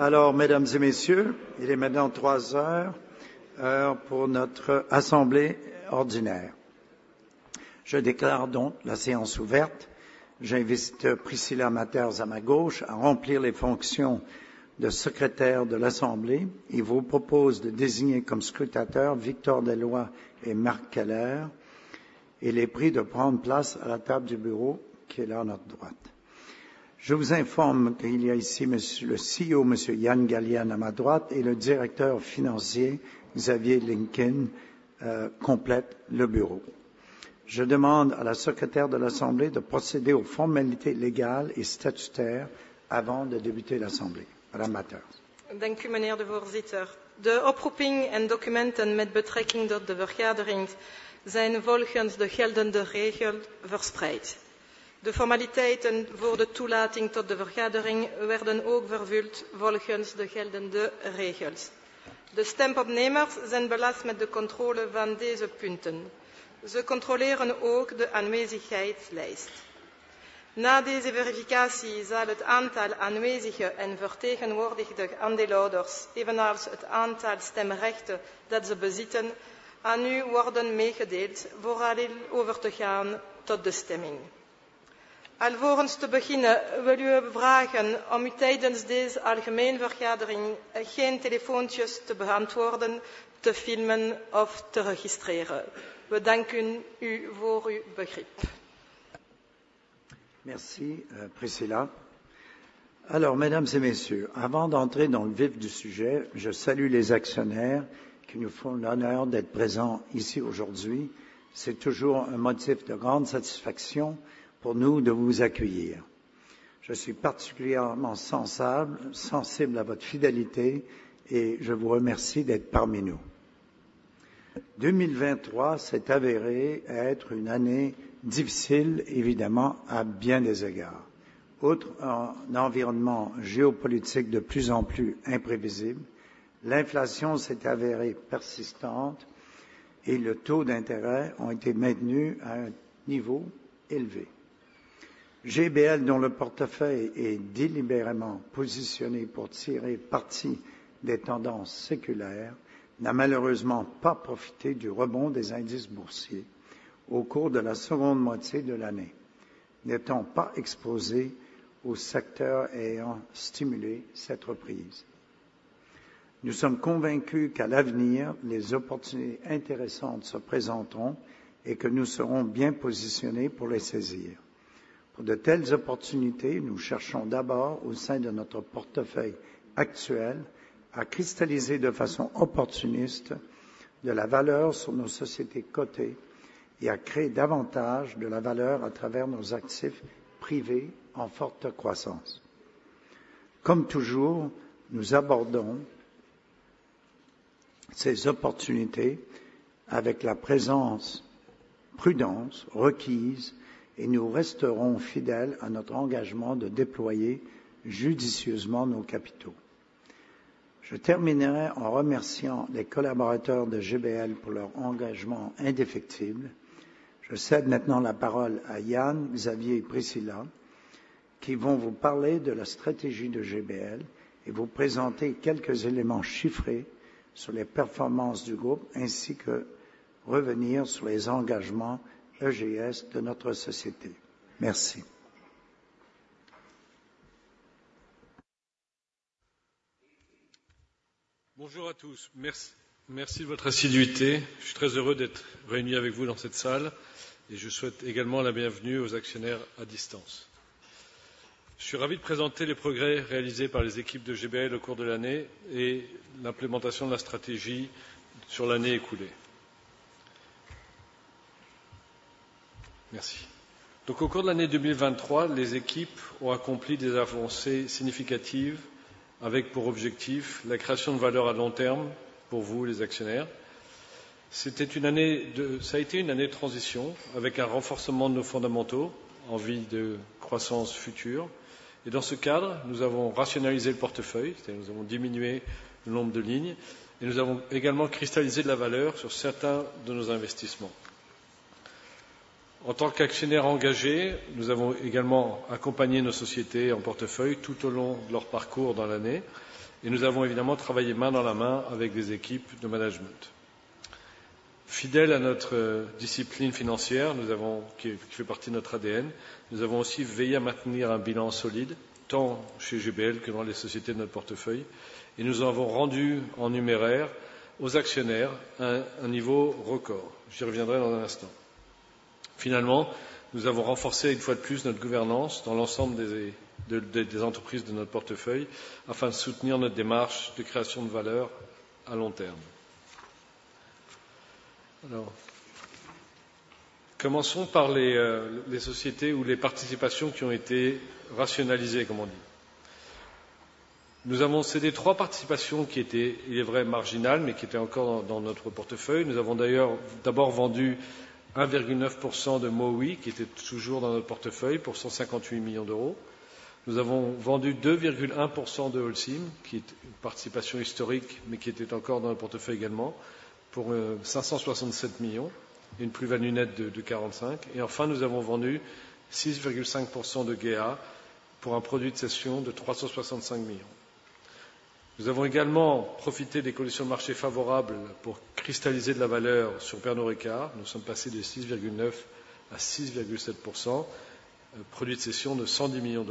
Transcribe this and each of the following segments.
Alors, Mesdames et Messieurs, il est maintenant trois heures, heure pour notre assemblée ordinaire. Je déclare donc la séance ouverte. J'invite Priscilla Maters, à ma gauche, à remplir les fonctions de Secrétaire de l'Assemblée et vous propose de désigner comme scrutateur Victor Deloy et Marc Keller, et les prie de prendre place à la table du bureau, qui est là, à notre droite. Je vous informe qu'il y a ici Monsieur le CEO, Monsieur Jan Galian, à ma droite, et le Directeur Financier, Xavier Lincoln, complète le bureau. Je demande à la Secrétaire de l'Assemblée de procéder aux formalités légales et statutaires avant de débuter l'Assemblée. Madame Maters. Dank u, meneer de voorzitter. De oproeping en documenten met betrekking tot de vergadering zijn volgens de geldende regels verspreid. De formaliteiten voor de toelating tot de vergadering werden ook vervuld volgens de geldende regels. De stemopnemers zijn belast met de controle van deze punten. Ze controleren ook de aanwezigheidslijst. Na deze verificatie zal het aantal aanwezige en vertegenwoordigde aandeelhouders, evenals het aantal stemrechten dat ze bezitten, aan u worden meegedeeld vooraleer over te gaan tot de stemming. Alvorens te beginnen, wil ik u vragen om u tijdens deze algemene vergadering geen telefoontjes te beantwoorden, te filmen of te registreren. We danken u voor uw begrip. Merci, Priscilla. Alors, Mesdames et Messieurs, avant d'entrer dans le vif du sujet, je salue les actionnaires qui nous font l'honneur d'être présents ici aujourd'hui. C'est toujours un motif de grande satisfaction pour nous de vous accueillir. Je suis particulièrement sensible à votre fidélité et je vous remercie d'être parmi nous. 2023 s'est avéré être une année difficile, évidemment, à bien des égards. Outre un environnement géopolitique de plus en plus imprévisible, l'inflation s'est avérée persistante et les taux d'intérêt ont été maintenus à un niveau élevé. GBL, dont le portefeuille est délibérément positionné pour tirer parti des tendances séculaires, n'a malheureusement pas profité du rebond des indices boursiers au cours de la seconde moitié de l'année, n'étant pas exposé aux secteurs ayant stimulé cette reprise. Nous sommes convaincus qu'à l'avenir, les opportunités intéressantes se présenteront et que nous serons bien positionnés pour les saisir. Pour de telles opportunités, nous cherchons d'abord, au sein de notre portefeuille actuel, à cristalliser de façon opportuniste de la valeur sur nos sociétés cotées et à créer davantage de la valeur à travers nos actifs privés en forte croissance. Comme toujours, nous abordons ces opportunités avec la prudence requise et nous resterons fidèles à notre engagement de déployer judicieusement nos capitaux. Je terminerai en remerciant les collaborateurs de GBL pour leur engagement indéfectible. Je cède maintenant la parole à Jan, Xavier et Priscilla, qui vont vous parler de la stratégie de GBL et vous présenter quelques éléments chiffrés sur les performances du groupe ainsi que revenir sur les engagements ESG de notre société. Merci. Bonjour à tous. Merci, merci de votre assiduité. Je suis très heureux d'être réuni avec vous dans cette salle et je souhaite également la bienvenue aux actionnaires à distance. Je suis ravi de présenter les progrès réalisés par les équipes de GBL au cours de l'année et l'implémentation de la stratégie sur l'année écoulée. Merci. Au cours de l'année 2023, les équipes ont accompli des avancées significatives avec pour objectif la création de valeur à long terme pour vous, les actionnaires. C'était une année de transition, avec un renforcement de nos fondamentaux, envie de croissance future. Dans ce cadre, nous avons rationalisé le portefeuille, c'est-à-dire, nous avons diminué le nombre de lignes et nous avons également cristallisé de la valeur sur certains de nos investissements. En tant qu'actionnaire engagé, nous avons également accompagné nos sociétés en portefeuille tout au long de leur parcours dans l'année et nous avons évidemment travaillé main dans la main avec des équipes de management. Fidèles à notre discipline financière, nous avons, qui fait partie de notre ADN, nous avons aussi veillé à maintenir un bilan solide, tant chez GBL que dans les sociétés de notre portefeuille, et nous avons rendu en numéraire aux actionnaires un niveau record. J'y reviendrai dans un instant. Finalement, nous avons renforcé une fois de plus notre gouvernance dans l'ensemble des entreprises de notre portefeuille afin de soutenir notre démarche de création de valeur à long terme. Alors, commençons par les sociétés ou les participations qui ont été rationalisées, comme on dit. Nous avons cédé trois participations qui étaient, il est vrai, marginales, mais qui étaient encore dans notre portefeuille. Nous avons d'ailleurs d'abord vendu 1,9% de Moïse, qui était toujours dans notre portefeuille, pour €158 millions. Nous avons vendu 2,1% de Holcim, qui est une participation historique, mais qui était encore dans le portefeuille également, pour €567 millions... une plus-value nette de €45 millions. Et enfin, nous avons vendu 6,5% de GEA pour un produit de cession de €365 millions. Nous avons également profité des conditions de marché favorables pour cristalliser de la valeur sur Pernod Ricard. Nous sommes passés de 6,9% à 6,7%, produit de cession de €110 millions.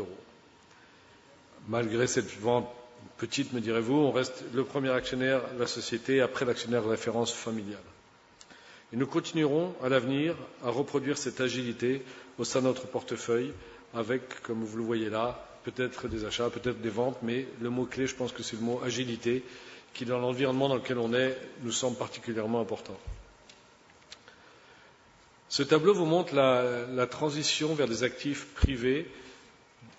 Malgré cette vente, petite, me direz-vous, on reste le premier actionnaire de la société après l'actionnaire de référence familiale. Et nous continuerons à l'avenir à reproduire cette agilité au sein de notre portefeuille, avec, comme vous le voyez là, peut-être des achats, peut-être des ventes, mais le mot clé, je pense que c'est le mot agilité, qui, dans l'environnement dans lequel on est, nous semble particulièrement important. Ce tableau vous montre la transition vers des actifs privés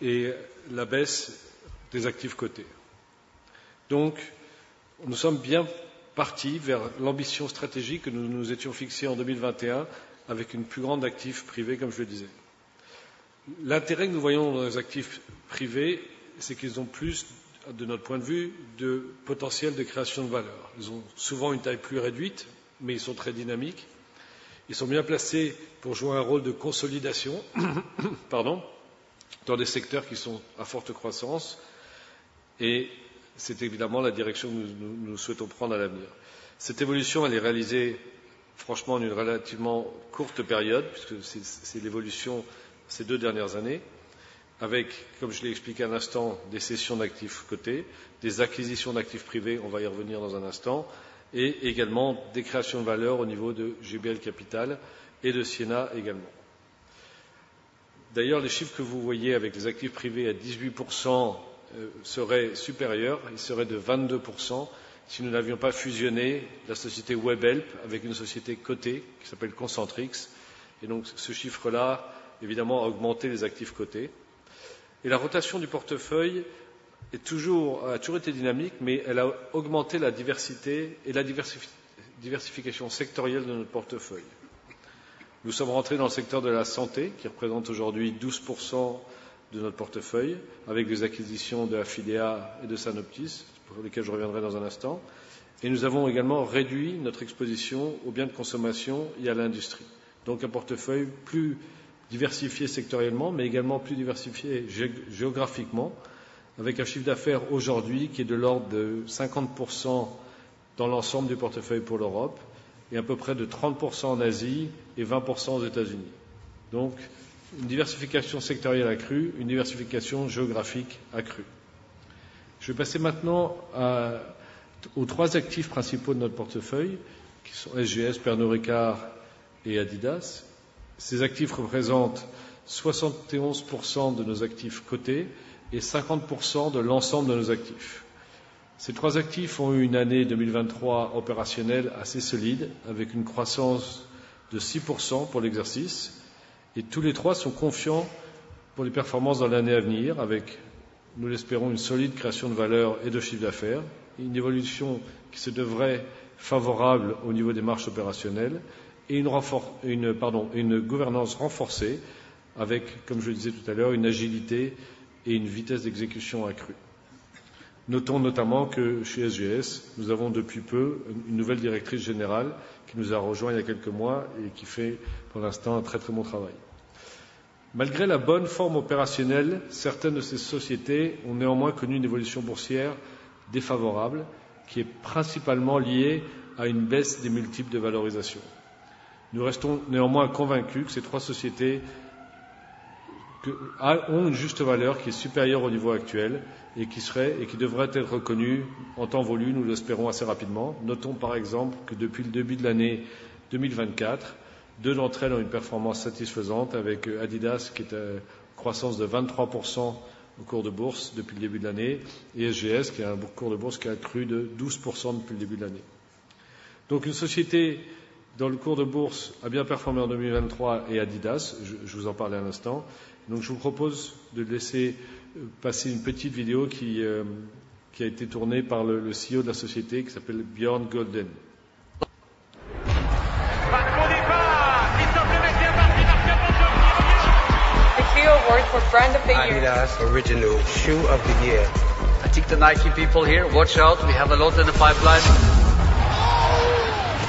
et la baisse des actifs cotés. Donc, nous sommes bien partis vers l'ambition stratégique que nous nous étions fixée en 2021, avec une plus grande part d'actifs privés, comme je le disais. L'intérêt que nous voyons dans les actifs privés, c'est qu'ils ont plus, de notre point de vue, de potentiel de création de valeur. Ils ont souvent une taille plus réduite, mais ils sont très dynamiques. Ils sont bien placés pour jouer un rôle de consolidation dans des secteurs qui sont à forte croissance et c'est évidemment la direction que nous souhaitons prendre à l'avenir. Cette évolution, elle est réalisée franchement en une relativement courte période, puisque c'est l'évolution ces deux dernières années, avec, comme je l'ai expliqué un instant, des cessions d'actifs cotés, des acquisitions d'actifs privés, on va y revenir dans un instant, et également des créations de valeur au niveau de GBL Capital et de Sienna également. D'ailleurs, les chiffres que vous voyez avec les actifs privés à 18% seraient supérieurs. Ils seraient de 22% si nous n'avions pas fusionné la société Webhelp avec une société cotée qui s'appelle Concentrix. Et donc, ce chiffre-là, évidemment, a augmenté les actifs cotés. Et la rotation du portefeuille est toujours, a toujours été dynamique, mais elle a augmenté la diversité et la diversification sectorielle de notre portefeuille. Nous sommes rentrés dans le secteur de la santé, qui représente aujourd'hui 12% de notre portefeuille, avec des acquisitions de Afidea et de Sanoptis, pour lesquelles je reviendrai dans un instant. Nous avons également réduit notre exposition aux biens de consommation et à l'industrie. Donc un portefeuille plus diversifié sectoriellement, mais également plus diversifié géographiquement, avec un chiffre d'affaires aujourd'hui qui est de l'ordre de 50% dans l'ensemble du portefeuille pour l'Europe et à peu près de 30% en Asie et 20% aux États-Unis. Donc, une diversification sectorielle accrue, une diversification géographique accrue. Je vais passer maintenant aux trois actifs principaux de notre portefeuille, qui sont SGS, Pernod Ricard et Adidas. Ces actifs représentent 71% de nos actifs cotés et 50% de l'ensemble de nos actifs. Ces trois actifs ont eu une année 2023 opérationnelle assez solide, avec une croissance de 6% pour l'exercice. Et tous les trois sont confiants pour les performances dans l'année à venir, avec, nous l'espérons, une solide création de valeur et de chiffre d'affaires, une évolution qui se devrait favorable au niveau des marges opérationnelles et une gouvernance renforcée avec, comme je le disais tout à l'heure, une agilité et une vitesse d'exécution accrue. Notons notamment que chez SGS, nous avons depuis peu une nouvelle Directrice Générale qui nous a rejoints il y a quelques mois et qui fait pour l'instant un très bon travail. Malgré la bonne forme opérationnelle, certaines de ces sociétés ont néanmoins connu une évolution boursière défavorable, qui est principalement liée à une baisse des multiples de valorisation. Nous restons néanmoins convaincus que ces trois sociétés ont une juste valeur qui est supérieure au niveau actuel et qui serait, et qui devrait être reconnue en temps voulu, nous l'espérons, assez rapidement. Notons par exemple que depuis le début de l'année 2024, deux d'entre elles ont une performance satisfaisante avec Adidas, qui est en croissance de 23% au cours de bourse depuis le début de l'année, et SGS, qui a un bon cours de bourse qui a accru de 12% depuis le début de l'année. Donc une société dont le cours de bourse a bien performé en 2023 est Adidas. Je vous en parlais à l'instant. Donc, je vous propose de laisser passer une petite vidéo qui a été tournée par le CEO de la société, qui s'appelle Bjørn Gulden.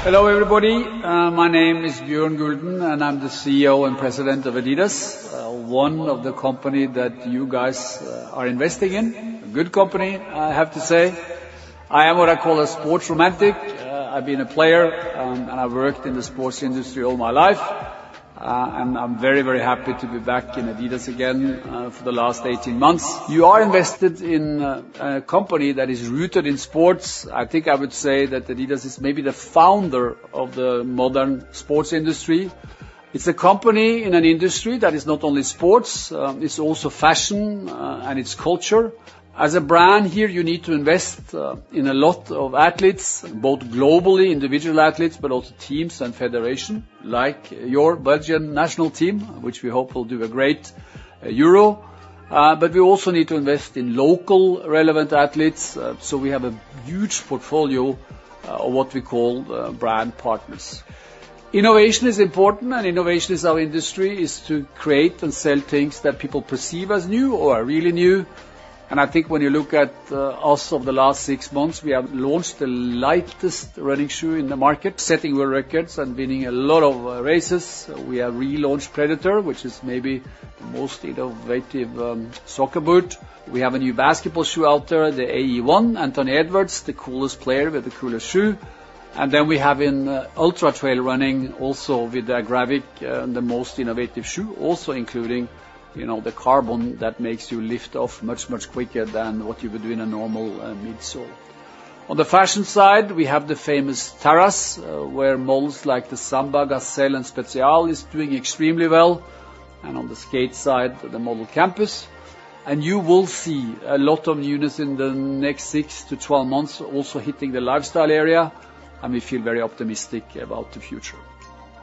Hello everybody, my name is Bjørn Gulden and I'm the CEO and President of Adidas, one of the company that you guys are investing in. A good company, I have to say. I am what I call a sports romantic. I've been a player and I've worked in the sports industry all my life. I'm very happy to be back in Adidas again for the last eighteen months. You are invested in a company that is rooted in sports. I think I would say that Adidas is maybe the founder of the modern sports industry. It's a company in an industry that is not only sports, it's also fashion and it's culture. As a brand, here, you need to invest in a lot of athletes, both globally, individual athletes, but also teams and federations, like your Belgian national team, which we hope will do a great Euro. But we also need to invest in local relevant athletes. So we have a huge portfolio. Or what we call brand partners. Innovation is important and innovation is our industry, is to create and sell things that people perceive as new or are really new. When you look at us over the last six months, we have launched the lightest running shoe in the market, setting world records and winning a lot of races. We have relaunched Predator, which is maybe the most innovative soccer boot. We have a new basketball shoe out there, the AE one, Anthony Edwards, the coolest player with the coolest shoe. Then we have in ultra trail running also with the Gravic, the most innovative shoe, also including the carbon that makes you lift off much, much quicker than what you would do in a normal midsole. On the fashion side, we have the famous Terrace, where models like the Samba, Gazelle, and Spezial are doing extremely well, and on the skate side, the model Campus. You will see a lot of units in the next six to twelve months also hitting the lifestyle area, and we feel very optimistic about the future.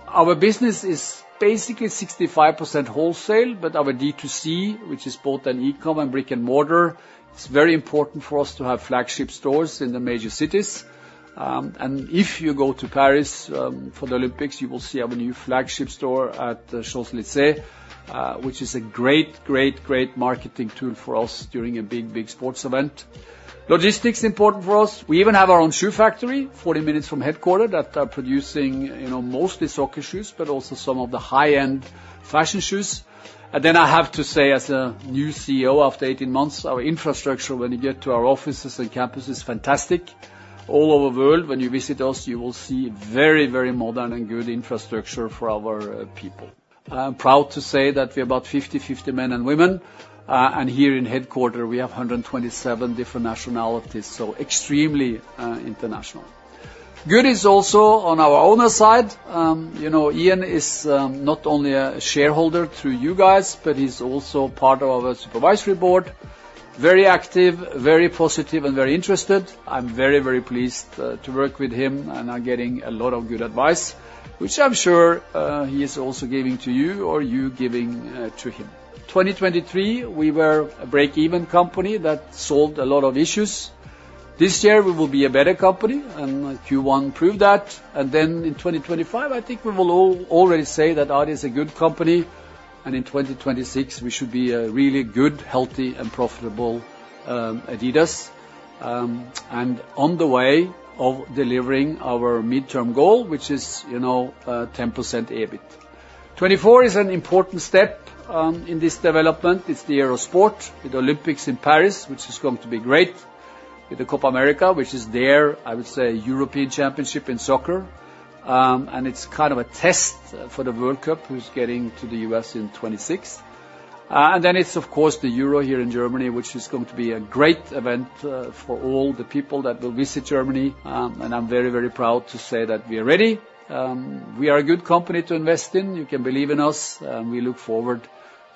Our business is basically 65% wholesale, but our D2C, which is both e-commerce and brick-and-mortar, it's very important for us to have flagship stores in the major cities. If you go to Paris for the Olympics, you will see our new flagship store at Champs-Élysées, which is a great marketing tool for us during a big sports event. Logistics is important for us. We even have our own shoe factory, forty minutes from headquarters, that is producing, you know, mostly soccer shoes, but also some of the high-end fashion shoes. And then I have to say, as a new CEO after eighteen months, our infrastructure, when you get to our offices and campus, is fantastic. All over the world, when you visit us, you will see very, very modern and good infrastructure for our people. I'm proud to say that we're about 50-50 men and women, and here in headquarters, we have 127 different nationalities, so extremely international. Good is also on our owner side. You know, Ian is not only a shareholder through you guys, but he's also part of our supervisory board. Very active, very positive, and very interested. I'm very pleased to work with him and are getting a lot of good advice, which I'm sure he is also giving to you or you giving to him. 2023, we were a break-even company that solved a lot of issues. This year, we will be a better company, and Q1 proved that. In 2025, I think we will already say that Adidas is a good company, and in 2026, we should be a really good, healthy, and profitable Adidas, and on the way of delivering our midterm goal, which is 10% EBIT. 2024 is an important step in this development. It's the year of sport, with the Olympics in Paris, which is going to be great. With the Copa América, which is their, I would say, European Championship in soccer. And it's kind of a test for the World Cup, who's getting to the US in 2026. And then it's, of course, the Euro here in Germany, which is going to be a great event for all the people that will visit Germany. And I'm very, very proud to say that we are ready. We are a good company to invest in. You can believe in us, and we look forward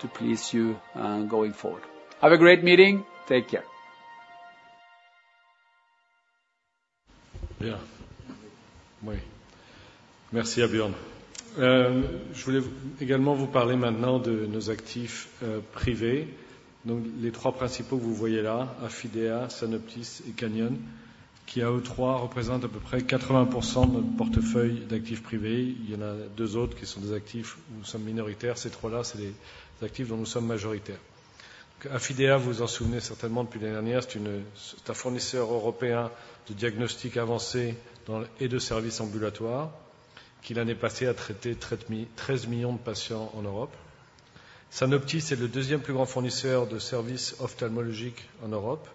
to please you going forward. Have a great meeting. Take care. Merci à Bjørn. Je voulais également vous parler maintenant de nos actifs privés. Donc les trois principaux que vous voyez là, Affidea, Sanoptis et Canyon, qui à eux trois, représentent à peu près 80% de notre portefeuille d'actifs privés. Il y en a deux autres qui sont des actifs où nous sommes minoritaires. Ces trois-là, c'est les actifs dont nous sommes majoritaires. Affidea, vous vous en souvenez certainement depuis l'année dernière, c'est un fournisseur européen de diagnostics avancés et de services ambulatoires, qui, l'année passée, a traité treize millions de patients en Europe. Sanoptis, c'est le deuxième plus grand fournisseur de services ophtalmologiques en Europe.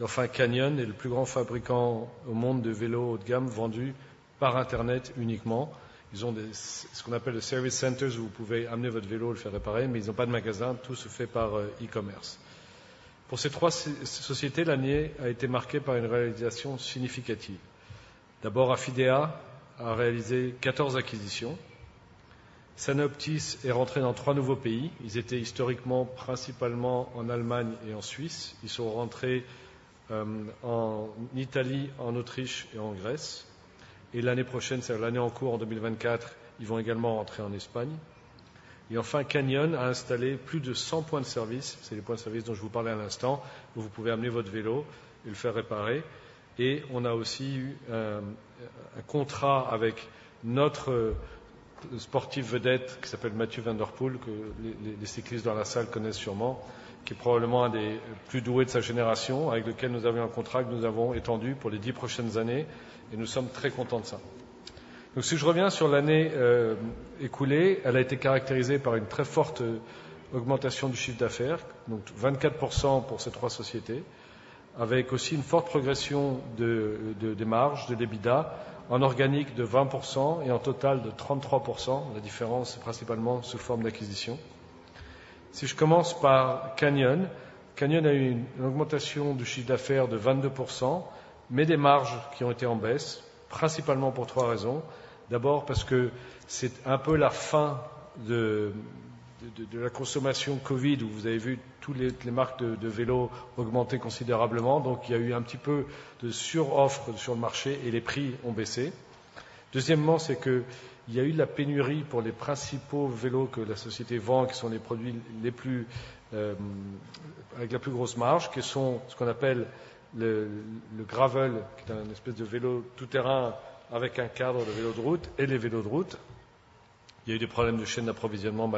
Et enfin, Canyon est le plus grand fabricant au monde de vélos haut de gamme vendus par Internet uniquement. Ils ont des, ce qu'on appelle des service centers, où vous pouvez amener votre vélo, le faire réparer, mais ils n'ont pas de magasin. Tout se fait par e-commerce. Pour ces trois sociétés, l'année a été marquée par une réalisation significative. D'abord, Affidea a réalisé quatorze acquisitions. Sanoptis est rentré dans trois nouveaux pays. Ils étaient historiquement principalement en Allemagne et en Suisse. Ils sont rentrés en Italie, en Autriche et en Grèce. L'année prochaine, c'est l'année en cours, en 2024, ils vont également rentrer en Espagne. Enfin, Canyon a installé plus de cent points de service. C'est les points de service dont je vous parlais à l'instant, où vous pouvez amener votre vélo et le faire réparer. Et on a aussi eu un contrat avec notre sportif vedette, qui s'appelle Matthew van der Poel, que les cyclistes dans la salle connaissent sûrement, qui est probablement un des plus doués de sa génération, avec lequel nous avons un contrat que nous avons étendu pour les dix prochaines années, et nous sommes très contents de ça. Donc, si je reviens sur l'année écoulée, elle a été caractérisée par une très forte augmentation du chiffre d'affaires, donc 24% pour ces trois sociétés, avec aussi une forte progression des marges, de l'EBITDA, en organique, de 20% et en total, de 33%. La différence est principalement sous forme d'acquisitions. Si je commence par Canyon, Canyon a eu une augmentation du chiffre d'affaires de 22%, mais des marges qui ont été en baisse, principalement pour trois raisons. D'abord, parce que c'est un peu la fin de la consommation COVID, où vous avez vu toutes les marques de vélos augmenter considérablement. Donc, il y a eu un petit peu de suroffre sur le marché et les prix ont baissé. Deuxièmement, c'est qu'il y a eu de la pénurie pour les principaux vélos que la société vend, qui sont les produits les plus avec la plus grosse marge, qui sont ce qu'on appelle le gravel, qui est une espèce de vélo tout-terrain avec un cadre de vélo de route et les vélos de route. Il y a eu des problèmes de chaîne d'approvisionnement,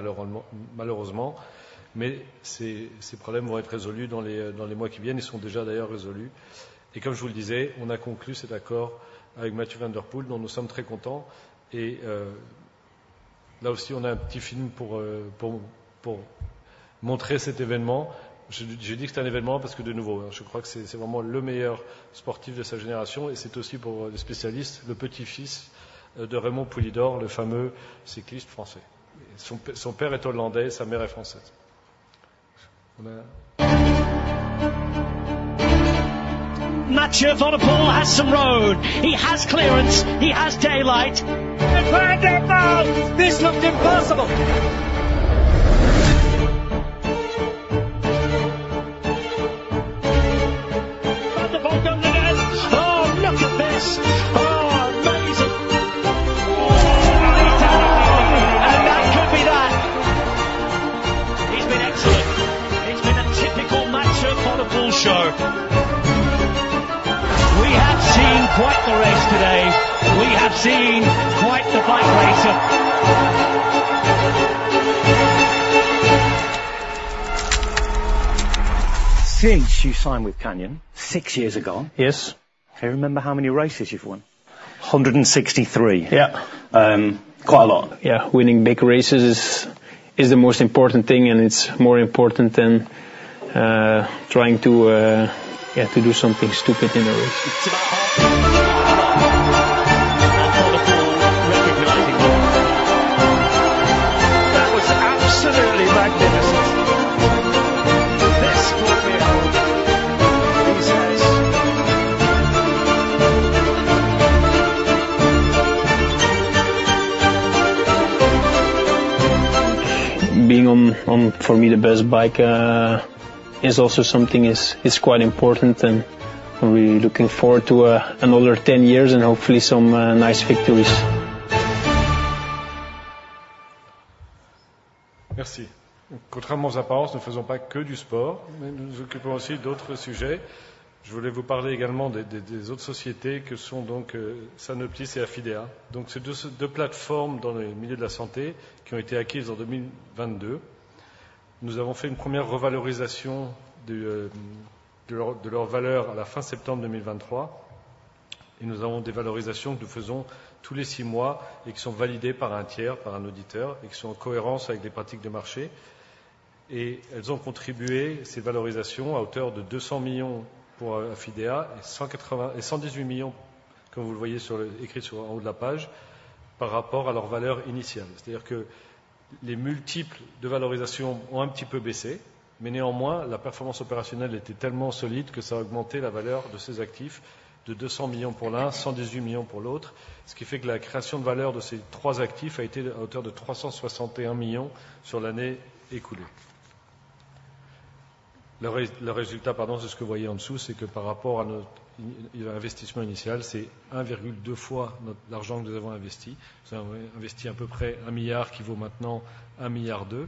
malheureusement, mais ces problèmes vont être résolus dans les mois qui viennent. Ils sont déjà d'ailleurs résolus. Et comme je vous le disais, on a conclu cet accord avec Mathieu van der Poel, dont nous sommes très contents. Et là aussi, on a un petit film pour montrer cet événement. J'ai dit que c'est un événement, parce que de nouveau, je crois que c'est vraiment le meilleur sportif de sa génération et c'est aussi, pour les spécialistes, le petit-fils de Raymond Poulidor, le fameux cycliste français. Son père est hollandais, sa mère est française. ` tags Please paste the transcript content you'd like me to work with Merci. Contrairement aux apparences, nous ne faisons pas que du sport, mais nous nous occupons aussi d'autres sujets. Je voulais vous parler également des autres sociétés que sont donc Sanoptis et Afidea. Ce sont deux plateformes dans le milieu de la santé qui ont été acquises en 2022. Nous avons fait une première revalorisation de leur valeur à la fin septembre 2023. Nous avons des valorisations que nous faisons tous les six mois et qui sont validées par un tiers, par un auditeur, et qui sont en cohérence avec les pratiques du marché. Elles ont contribué, ces valorisations, à hauteur de €200 millions pour Afidea et €118 millions, comme vous le voyez écrit en haut de la page, par rapport à leur valeur initiale. C'est-à-dire que les multiples de valorisation ont un petit peu baissé, mais néanmoins, la performance opérationnelle était tellement solide que ça a augmenté la valeur de ces actifs de 200 millions € pour l'un, 118 millions € pour l'autre. Ce qui fait que la création de valeur de ces trois actifs a été à hauteur de 361 millions € sur l'année écoulée. Le résultat, c'est ce que vous voyez en dessous, c'est que par rapport à notre investissement initial, c'est 1,2 fois l'argent que nous avons investi. Nous avons investi à peu près 1 milliard €, qui vaut maintenant 1,2 milliard €.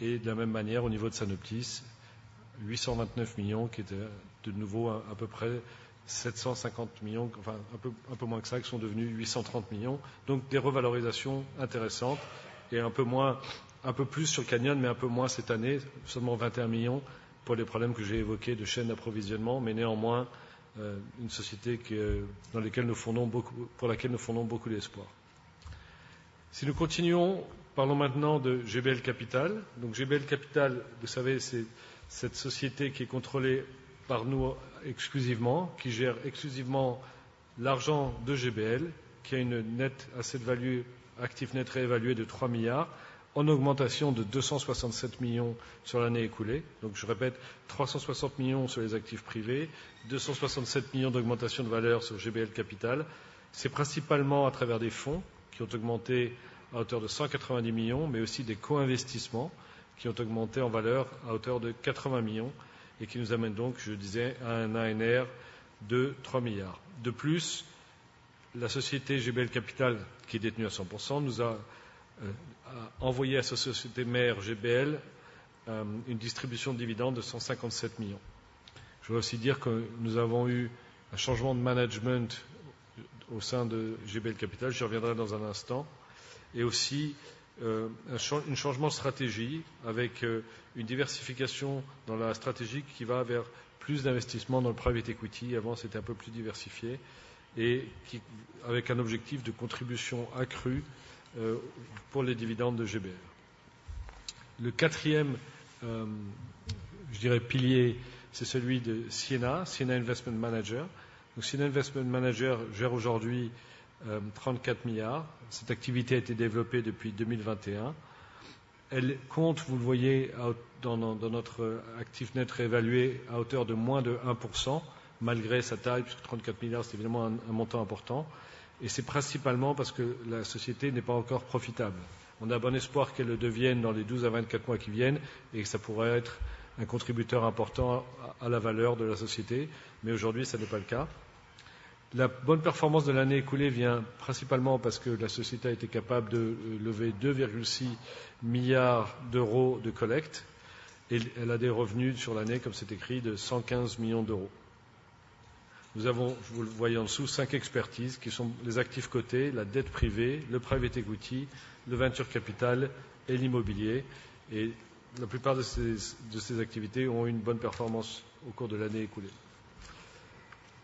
Et de la même manière, au niveau de Sanoptis, 829 millions €, qui était de nouveau à peu près 750 millions €, qui sont devenus 830 millions €. Donc des revalorisations intéressantes et un peu moins, un peu plus sur Canyon, mais un peu moins cette année, seulement 21 millions €, pour les problèmes que j'ai évoqués de chaîne d'approvisionnement, mais néanmoins, une société dans laquelle nous fondons beaucoup d'espoir. Si nous continuons, parlons maintenant de GBL Capital. Donc, GBL Capital, vous le savez, c'est cette société qui est contrôlée par nous exclusivement, qui gère exclusivement l'argent de GBL, qui a une net asset value, actif net réévalué de 3 milliards €, en augmentation de 267 millions € sur l'année écoulée. Donc, je répète: 360 millions € sur les actifs privés, 267 millions € d'augmentation de valeur sur GBL Capital. C'est principalement à travers des fonds qui ont augmenté à hauteur de 190 millions, mais aussi des co-investissements qui ont augmenté en valeur à hauteur de 80 millions et qui nous amènent donc, je disais, à un ANR de 3 milliards. De plus, la société GBL Capital, qui est détenue à 100%, nous a envoyé à sa société mère, GBL, une distribution de dividendes de 157 millions. Je dois aussi dire que nous avons eu un changement de management au sein de GBL Capital. J'y reviendrai dans un instant. Et aussi un changement, une stratégie avec une diversification dans la stratégie qui va vers plus d'investissements dans le private equity. Avant, c'était un peu plus diversifié et qui, avec un objectif de contribution accrue pour les dividendes de GBL. Le quatrième, je dirais, pilier, c'est celui de Siena, Siena Investment Manager. Donc Siena Investment Manager gère aujourd'hui 34 milliards. Cette activité a été développée depuis 2021. Elle compte, vous le voyez, dans notre actif net réévalué, à hauteur de moins de 1%, malgré sa taille, puisque 34 milliards, c'est évidemment un montant important. C'est principalement parce que la société n'est pas encore profitable. On a bon espoir qu'elle le devienne dans les 12 à 24 mois qui viennent et que ça pourrait être un contributeur important à la valeur de la société. Mais aujourd'hui, ce n'est pas le cas. La bonne performance de l'année écoulée vient principalement parce que la société a été capable de lever €2,6 milliards de collecte. Elle a des revenus sur l'année, comme c'est écrit, de €115 millions. Nous avons, vous le voyez en dessous, cinq expertises qui sont les actifs cotés, la dette privée, le private equity, le venture capital et l'immobilier. Et la plupart de ces activités ont eu une bonne performance au cours de l'année écoulée.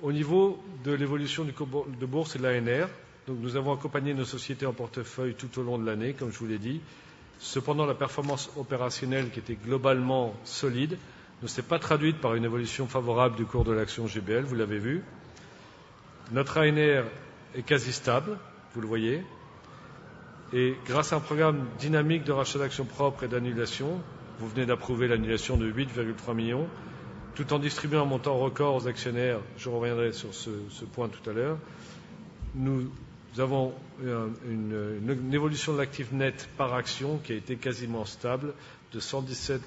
Au niveau de l'évolution du cours de bourse et de l'ANR, nous avons accompagné nos sociétés en portefeuille tout au long de l'année, comme je vous l'ai dit. Cependant, la performance opérationnelle, qui était globalement solide, ne s'est pas traduite par une évolution favorable du cours de l'action GBL, vous l'avez vu. Notre ANR est quasi stable, vous le voyez. Et grâce à un programme dynamique de rachat d'actions propres et d'annulation, vous venez d'approuver l'annulation de 8,3 millions, tout en distribuant un montant record aux actionnaires. Je reviendrai sur ce point tout à l'heure. Nous avons une évolution de l'actif net par action qui a été quasiment stable, de 117,97 €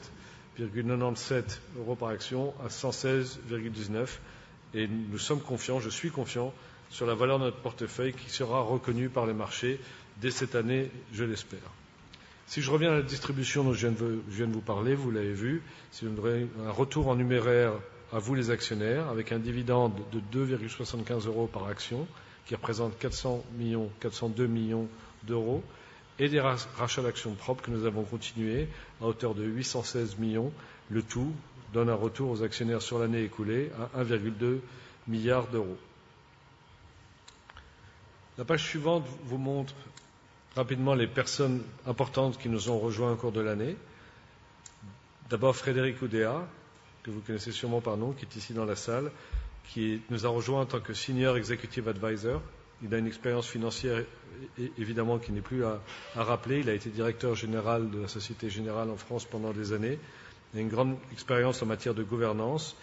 par action à 116,19 €. Nous sommes confiants, je suis confiant sur la valeur de notre portefeuille, qui sera reconnue par les marchés dès cette année, je l'espère. Si je reviens à la distribution dont je viens de vous parler, vous l'avez vu, c'est un retour en numéraire à vous, les actionnaires, avec un dividende de 2,75 € par action, qui représente 402 millions d'euros, et des rachats d'actions propres que nous avons continué à hauteur de 816 millions €. Le tout donne un retour aux actionnaires sur l'année écoulée à 1,2 milliard d'euros. La page suivante vous montre rapidement les personnes importantes qui nous ont rejoints au cours de l'année. D'abord, Frédéric Oudéa, que vous connaissez sûrement par nom, qui est ici dans la salle, qui nous a rejoints en tant que Senior Executive Advisor. Il a une expérience financière évidemment, qui n'est plus à rappeler. Il a été directeur général de la Société Générale en France pendant des années. Il a une grande expérience en matière de gouvernance.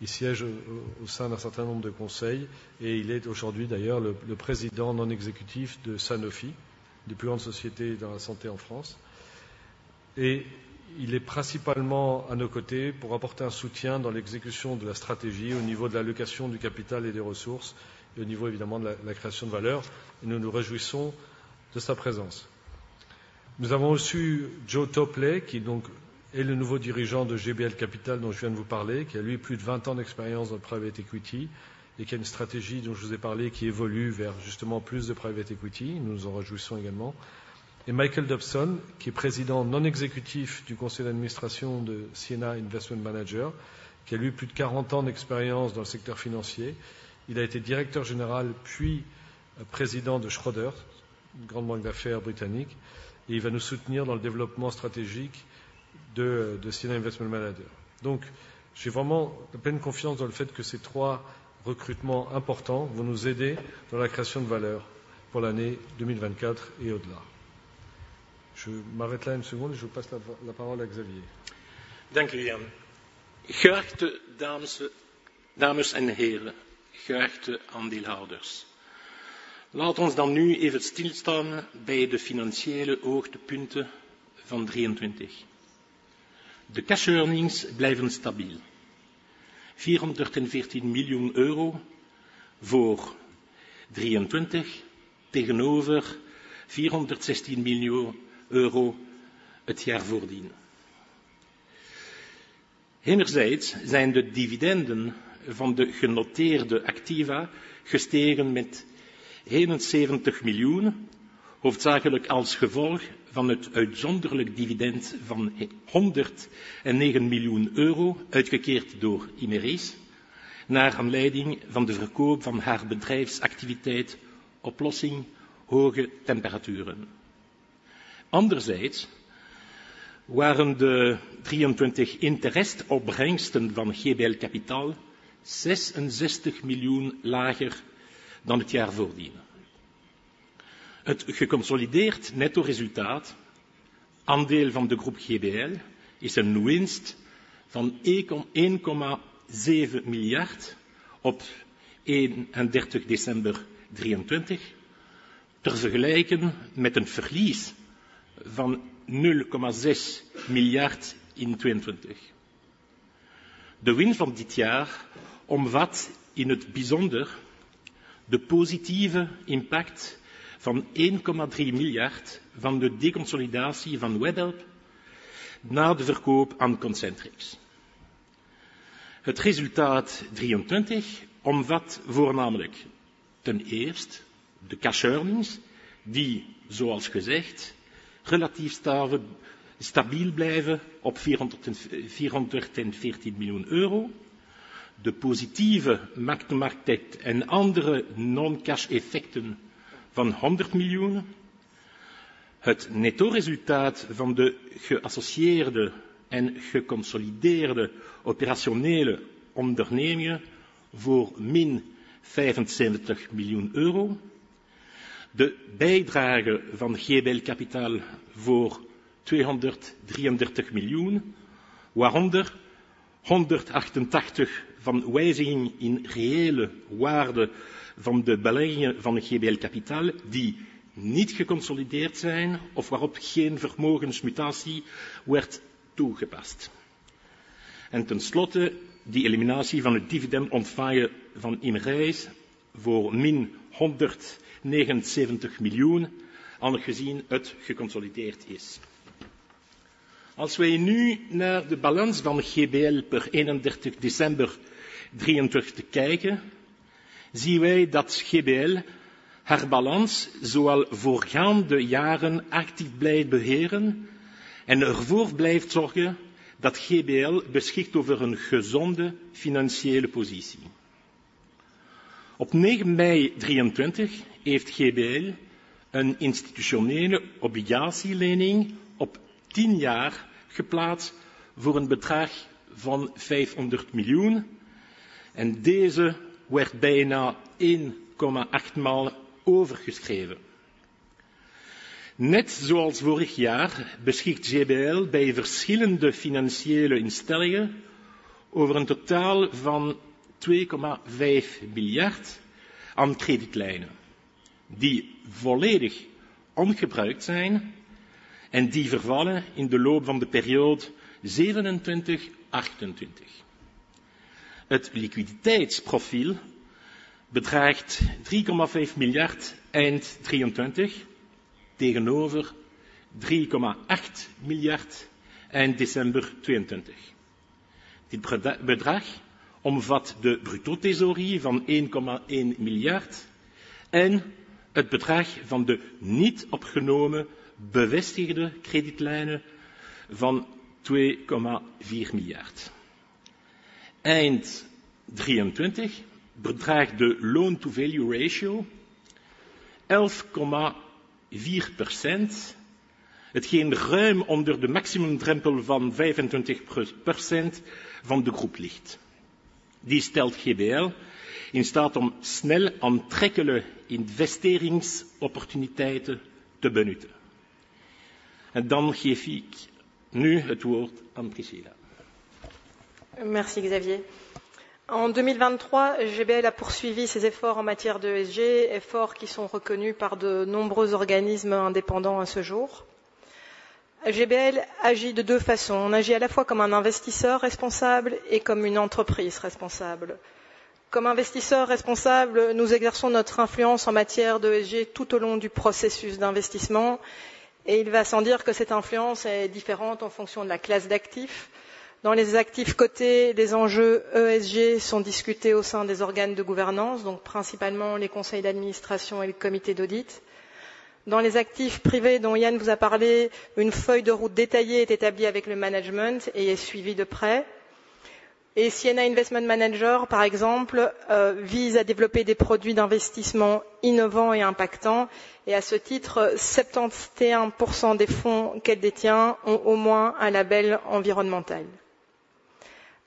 Il siège au sein d'un certain nombre de conseils et il est aujourd'hui d'ailleurs le Président non exécutif de Sanofi, des plus grandes sociétés dans la santé en France. Il est principalement à nos côtés pour apporter un soutien dans l'exécution de la stratégie au niveau de l'allocation du capital et des ressources, et au niveau, évidemment, de la création de valeur. Nous nous réjouissons de sa présence. Nous avons aussi Joe Topley, qui donc est le nouveau dirigeant de GBL Capital, dont je viens de vous parler, qui a lui, plus de vingt ans d'expérience dans le private equity et qui a une stratégie dont je vous ai parlé, qui évolue vers justement plus de private equity. Nous nous en réjouissons également. Et Michael Dobson, qui est président non exécutif du conseil d'administration de Sienna Investment Manager, qui a lui, plus de quarante ans d'expérience dans le secteur financier. Il a été directeur général, puis président de Schroeder, une grande banque d'affaires britannique, et il va nous soutenir dans le développement stratégique de Sienna Investment Manager. Donc, j'ai vraiment pleine confiance dans le fait que ces trois recrutements importants vont nous aider dans la création de valeur pour l'année 2024 et au-delà. Je m'arrête là une seconde et je passe la voix, la parole à Xavier. Dank u, Liam. Geachte dames en heren, geachte aandeelhouders. Laat ons dan nu even stilstaan bij de financiële hoogtepunten van 2023. De cash earnings blijven stabiel. €414 miljoen voor 2023, tegenover €416 miljoen het jaar voordien. Enerzijds zijn de dividenden van de genoteerde activa gestegen met €71 miljoen, hoofdzakelijk als gevolg van het uitzonderlijk dividend van €109 miljoen, uitgekeerd door Imerys, naar aanleiding van de verkoop van haar bedrijfsactiviteit oplossing hoge temperaturen. Anderzijds waren de 2023 interest opbrengsten van GBL Capital €66 miljoen lager dan het jaar voordien. Het geconsolideerd nettoresultaat, aandeel van de groep GBL, is een winst van €1,7 miljard op 31 december 2023, te vergelijken met een verlies van €0,6 miljard in 2022. De winst van dit jaar omvat in het bijzonder de positieve impact van €1,3 miljard van de deconsolidatie van Webhelp na de verkoop aan Concentrix. Het resultaat 2023 omvat voornamelijk ten eerste de cash earnings, die, zoals gezegd, relatief stabiel blijven op €414 miljoen. De positieve markt en andere non-cash effecten van €100 miljoen. Het nettoresultaat van de geassocieerde en geconsolideerde operationele ondernemingen voor -€75 miljoen. De bijdrage van GBL Capital voor €233 miljoen, waaronder €188 miljoen van wijziging in reële waarde van de beleggingen van GBL Capital, die niet geconsolideerd zijn of waarop geen vermogensmutatie werd toegepast. En tenslotte de eliminatie van het dividend ontvangen van Imerys voor -€179 miljoen, aangezien het geconsolideerd is. Als wij nu naar de balans van GBL per 31 december 2023 kijken, zien wij dat GBL haar balans zowel voorgaande jaren actief blijft beheren en ervoor blijft zorgen dat GBL beschikt over een gezonde financiële positie. Op 9 mei 2023 heeft GBL een institutionele obligatielening op tien jaar geplaatst voor een bedrag van €500 miljoen en deze werd bijna 1,8 maal overgeschreven. Net zoals vorig jaar beschikt GBL bij verschillende financiële instellingen over een totaal van €2,5 miljard aan kredietlijnen, die volledig ongebruikt zijn en die vervallen in de loop van de periode 2027-2028. Het liquiditeitsprofiel bedraagt €3,5 miljard eind 2023, tegenover €3,8 miljard eind december 2022. Dit bedrag omvat de bruto thesaurie van €1,1 miljard en het bedrag van de niet opgenomen bevestigde kredietlijnen van €2,4 miljard. Eind '23 bedraagt de loan-to-value ratio 11,4%, hetgeen ruim onder de maximum drempel van 25% van de groep ligt. Die stelt GBL in staat om snel aantrekkelijke investeringsopportuniteiten te benutten. En dan geef ik nu het woord aan Priscilla. Merci Xavier. En 2023, GBL heeft haar inspanningen op het gebied van ESG voortgezet, inspanningen die tot op heden door vele onafhankelijke organisaties worden erkend. GBL handelt op twee manieren. We handelen zowel als een verantwoordelijke belegger en als een verantwoordelijk bedrijf. Als verantwoordelijke belegger oefenen we onze invloed uit op ESG tijdens het hele investeringsproces, en het gaat zonder zeggen dat deze invloed verschillend is afhankelijk van de activaklasse. In beursgenoteerde activa worden ESG-problematieken besproken binnen de bestuursorganen, dus vooral de raden van bestuur en de auditcommissie. In private activa, waar Yann u over vertelde, wordt een gedetailleerde roadmap opgesteld met het management en nauwgezet gevolgd. En Sienna Investment Manager, bijvoorbeeld, heeft als doel innovatieve en impactvolle investeringsproducten te ontwikkelen. Daarbij hebben vijfenzeventig procent van de fondsen die zij houdt, ten minste een milieulabel. Aan de andere kant handelen we als een verantwoordelijk bedrijf. U kunt zich indenken dat onze milieu-impact beperkt is vanwege onze activiteiten. Desalniettemin willen we altijd beter doen. We hebben een groen mobiliteitsbeleid. We zorgen voor de energie-efficiëntie van de gebouwen waarin we ons bevinden. We zijn nog steeds op deze locatie, omdat het DNG-gebouw momenteel wordt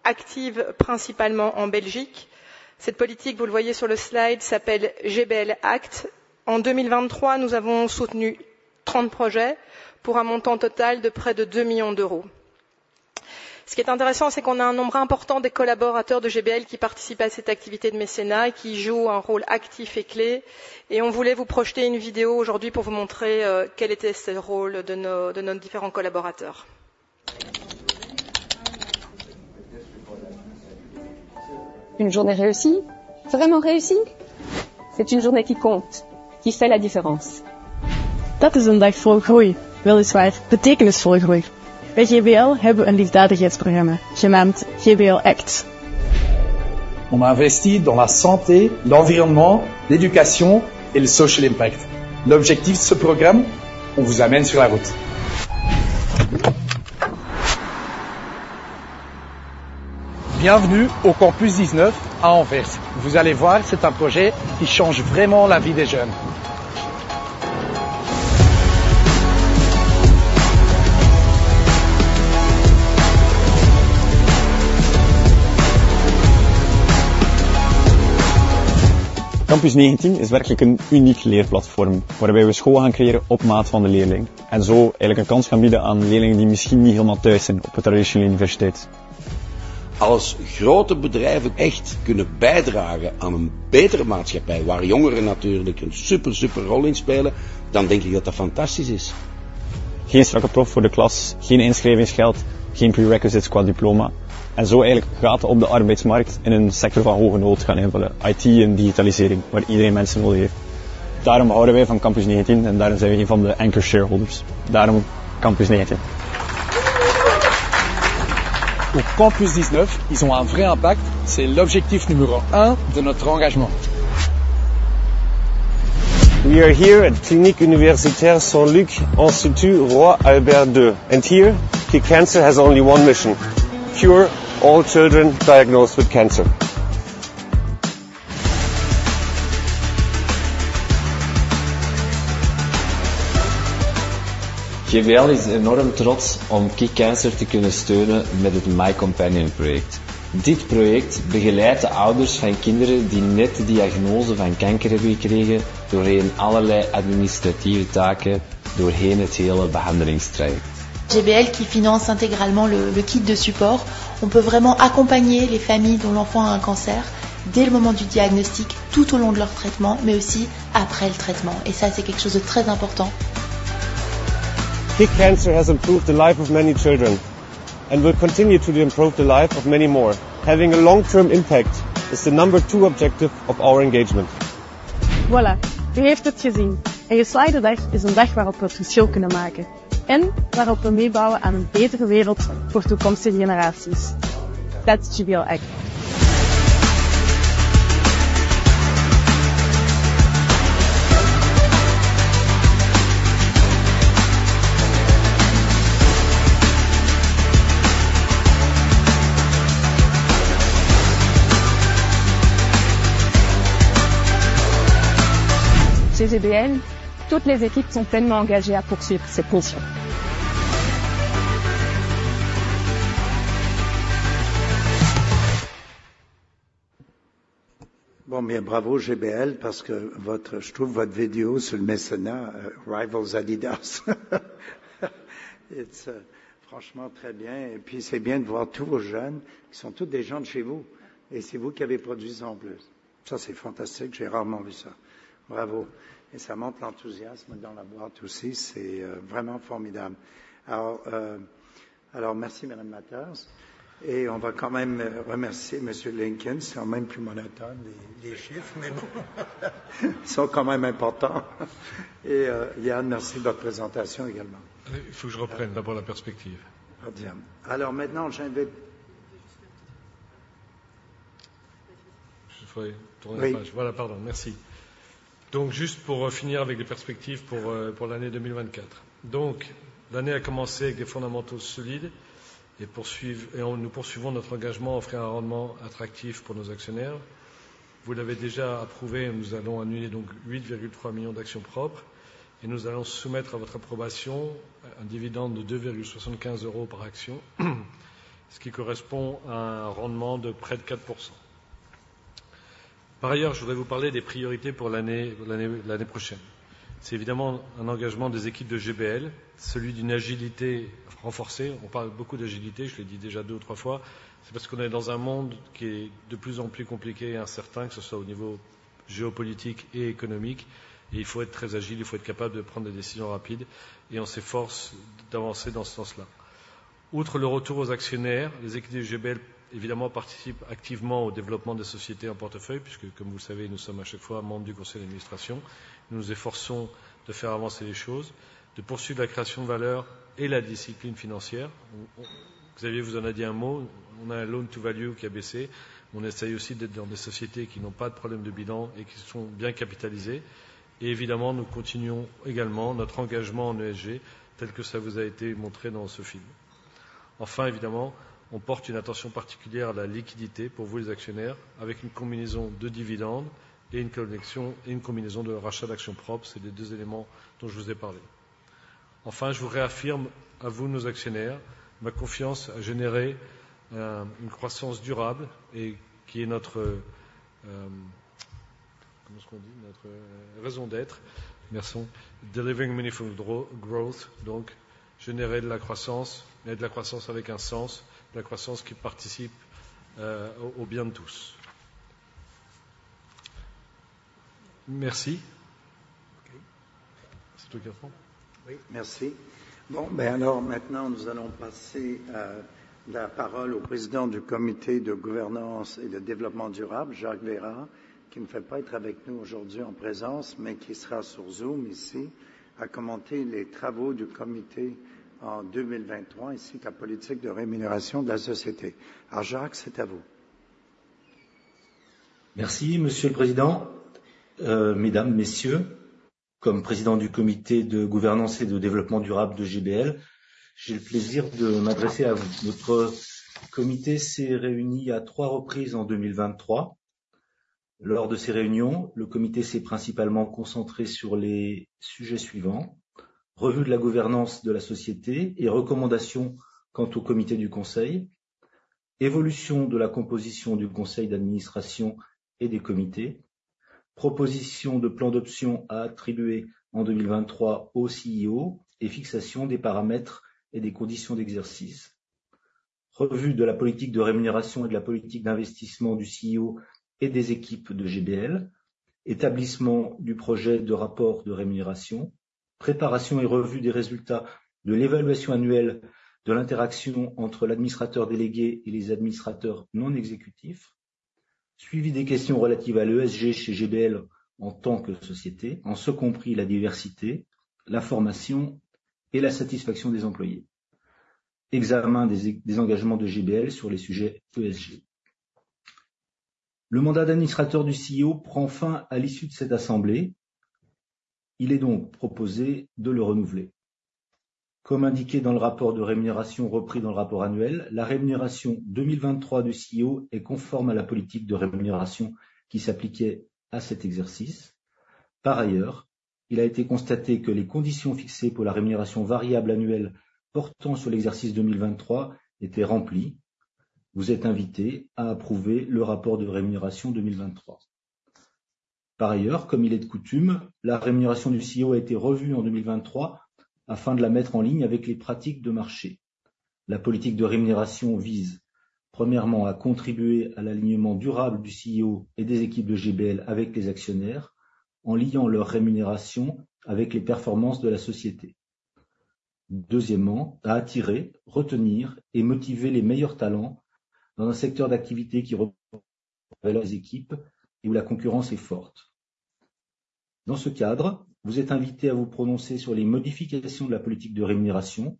gerenoveerd. GBL heeft ook een welzijnsbeleid dat impactvol en actief is, vooral in België. Dit beleid, zoals u op de dia ziet, heet GBL Act. In 2023 hebben we dertig projecten ondersteund voor een totaalbedrag van bijna €2 miljoen. Wat interessant is, is dat een groot aantal GBL-medewerkers deelnemen aan deze welzijnsactiviteiten en een actieve en belangrijke rol spelen. Vandaag wilden we een video tonen om u te laten zien wat de rol van onze verschillende medewerkers was. Een succesvolle dag. Echt succesvol? Het is een dag die telt, die het verschil maakt. Dat is een dag voor groei. Weliswaar betekenisvolle groei. Bij GBL hebben we een liefdadigheidsprogramma genaamd GBL Act. On investit dans la santé, l'environnement, l'éducation et le social impact. L'objectif de ce programme? On vous amène sur la route. Bienvenue au Campus XIX à Anvers. Vous allez voir, c'est un projet qui change vraiment la vie des jeunes. Campus negentien is werkelijk een uniek leerplatform waarbij we school gaan creëren op maat van de leerling en zo eigenlijk een kans gaan bieden aan leerlingen die misschien niet helemaal thuis zijn op een traditionele universiteit. Als grote bedrijven echt kunnen bijdragen aan een betere maatschappij, waar jongeren natuurlijk een superrol in spelen, dan denk ik dat dat fantastisch is. Geen strakke prof voor de klas, geen inschrijvingsgeld, geen prerequisites qua diploma en zo eigenlijk gaten op de arbeidsmarkt in een sector van hoge nood gaan invullen. IT en digitalisering, waar iedereen mensen nodig heeft. Daarom houden wij van Campus Negentien en daarom zijn we één van de anchor shareholders. Daarom Campus Negentien. Op Campus negentien. Ze hebben een echte impact. Dat is het nummer één doel van onze inzet. We are here at Clinique Universitaire Saint-Luc Institut Roi Albert II. And here, Kid Cancer has only one mission: cure all children diagnosed with cancer. GBL est énormément fier de pouvoir soutenir KickCancer avec le projet My Companion. Ce projet accompagne les parents d'enfants qui viennent de recevoir un diagnostic de cancer à travers diverses tâches administratives tout au long du parcours de traitement. GBL, qui finance intégralement le kit de support. On peut vraiment accompagner les familles dont l'enfant a un cancer dès le moment du diagnostic, tout au long de leur traitement, mais aussi après le traitement. Et ça, c'est quelque chose de très important. KickCancer has improved the life of many children and will continue to improve the life of many more. Having a long-term impact is the number two objective of our engagement. Voilà, vous avez vu. Et chaque jour est une journée où nous pouvons faire la différence et contribuer à un monde meilleur pour les générations futures. That's GBL Act. Chez GBL, toutes les équipes sont tellement engagées à poursuivre cette mission. Bon, bien, bravo GBL, parce que votre— je trouve votre vidéo sur le mécénat Rivals Adidas franchement très bien. Et puis, c'est bien de voir tous vos jeunes. Ce sont tous des gens de chez vous et c'est vous qui avez produit ça en plus. Ça, c'est fantastique. J'ai rarement vu ça. Bravo! Et ça montre l'enthousiasme dans la boîte aussi. C'est vraiment formidable. Alors, merci Madame Matthys. Et on va quand même remercier Monsieur Lincoln. C'est quand même plus monotone les chiffres, mais bon, ils sont quand même importants. Et Yann, merci de votre présentation également. Il faut que je reprenne d'abord la perspective. Très bien. Alors maintenant, j'invite- Je vais tourner la page. Voilà, pardon, merci. Donc, juste pour finir avec les perspectives pour l'année 2024. L'année a commencé avec des fondamentaux solides et nous poursuivons notre engagement à offrir un rendement attractif pour nos actionnaires. Vous l'avez déjà approuvé, nous allons annuler donc 8,3 millions d'actions propres et nous allons soumettre à votre approbation un dividende de 2,75 € par action, ce qui correspond à un rendement de près de 4%. Par ailleurs, je voudrais vous parler des priorités pour l'année prochaine. C'est évidemment un engagement des équipes de GBL, celui d'une agilité renforcée. On parle beaucoup d'agilité. Je l'ai dit déjà deux ou trois fois. C'est parce qu'on est dans un monde qui est de plus en plus compliqué et incertain, que ce soit au niveau géopolitique et économique. Et il faut être très agile. Il faut être capable de prendre des décisions rapides et on s'efforce d'avancer dans ce sens-là. Outre le retour aux actionnaires, les équipes de GBL, évidemment, participent activement au développement des sociétés en portefeuille, puisque, comme vous le savez, nous sommes à chaque fois membres du conseil d'administration. Nous nous efforçons de faire avancer les choses, de poursuivre la création de valeur et la discipline financière. Xavier vous en a dit un mot. On a un loan to value qui a baissé. On essaye aussi d'être dans des sociétés qui n'ont pas de problèmes de bilan et qui sont bien capitalisées. Et évidemment, nous continuons également notre engagement en ESG, tel que ça vous a été montré dans ce film. Enfin, évidemment, on porte une attention particulière à la liquidité pour vous, les actionnaires, avec une combinaison de dividendes et une combinaison de rachats d'actions propres. C'est les deux éléments dont je vous ai parlé. Enfin, je vous réaffirme, à vous, nos actionnaires, ma confiance à générer une croissance durable et qui est notre raison d'être. Merci. Delivering meaningful growth, donc générer de la croissance, mais de la croissance avec un sens, de la croissance qui participe au bien de tous. Merci. Oui, merci. Bon, alors maintenant, nous allons passer la parole au président du Comité de gouvernance et de développement durable, Jacques Leyrat, qui ne peut pas être avec nous aujourd'hui en présence, mais qui sera sur Zoom, ici, à commenter les travaux du comité en 2023, ainsi que la politique de rémunération de la société. Alors, Jacques, c'est à vous. Merci, Monsieur le Président. Mesdames, Messieurs, comme président du Comité de gouvernance et de développement durable de GBL, j'ai le plaisir de m'adresser à vous. Notre comité s'est réuni à trois reprises en 2023. Lors de ces réunions, le comité s'est principalement concentré sur les sujets suivants : revue de la gouvernance de la Société et recommandations quant au comité du conseil, évolution de la composition du conseil d'administration et des comités, proposition de plan d'options à attribuer en 2023 au CEO et fixation des paramètres et des conditions d'exercice, revue de la politique de rémunération et de la politique d'investissement du CEO et des équipes de GBL, établissement du projet de rapport de rémunération, préparation et revue des résultats de l'évaluation annuelle de l'interaction entre l'administrateur délégué et les administrateurs non exécutifs, suivi des questions relatives à l'ESG chez GBL en tant que société, en ce compris la diversité, la formation et la satisfaction des employés, examen des engagements de GBL sur les sujets ESG. Le mandat d'administrateur du CEO prend fin à l'issue de cette assemblée. Il est donc proposé de le renouveler. Comme indiqué dans le rapport de rémunération repris dans le rapport annuel, la rémunération 2023 du CEO est conforme à la politique de rémunération qui s'appliquait à cet exercice. Par ailleurs, il a été constaté que les conditions fixées pour la rémunération variable annuelle portant sur l'exercice 2023 étaient remplies. Vous êtes invités à approuver le rapport de rémunération 2023. Par ailleurs, comme il est de coutume, la rémunération du CEO a été revue en 2023 afin de la mettre en ligne avec les pratiques de marché. La politique de rémunération vise, premièrement, à contribuer à l'alignement durable du CEO et des équipes de GBL avec les actionnaires, en liant leur rémunération avec les performances de la société. Deuxièmement, à attirer, retenir et motiver les meilleurs talents dans un secteur d'activité où leurs équipes et où la concurrence est forte. Dans ce cadre, vous êtes invités à vous prononcer sur les modifications de la politique de rémunération,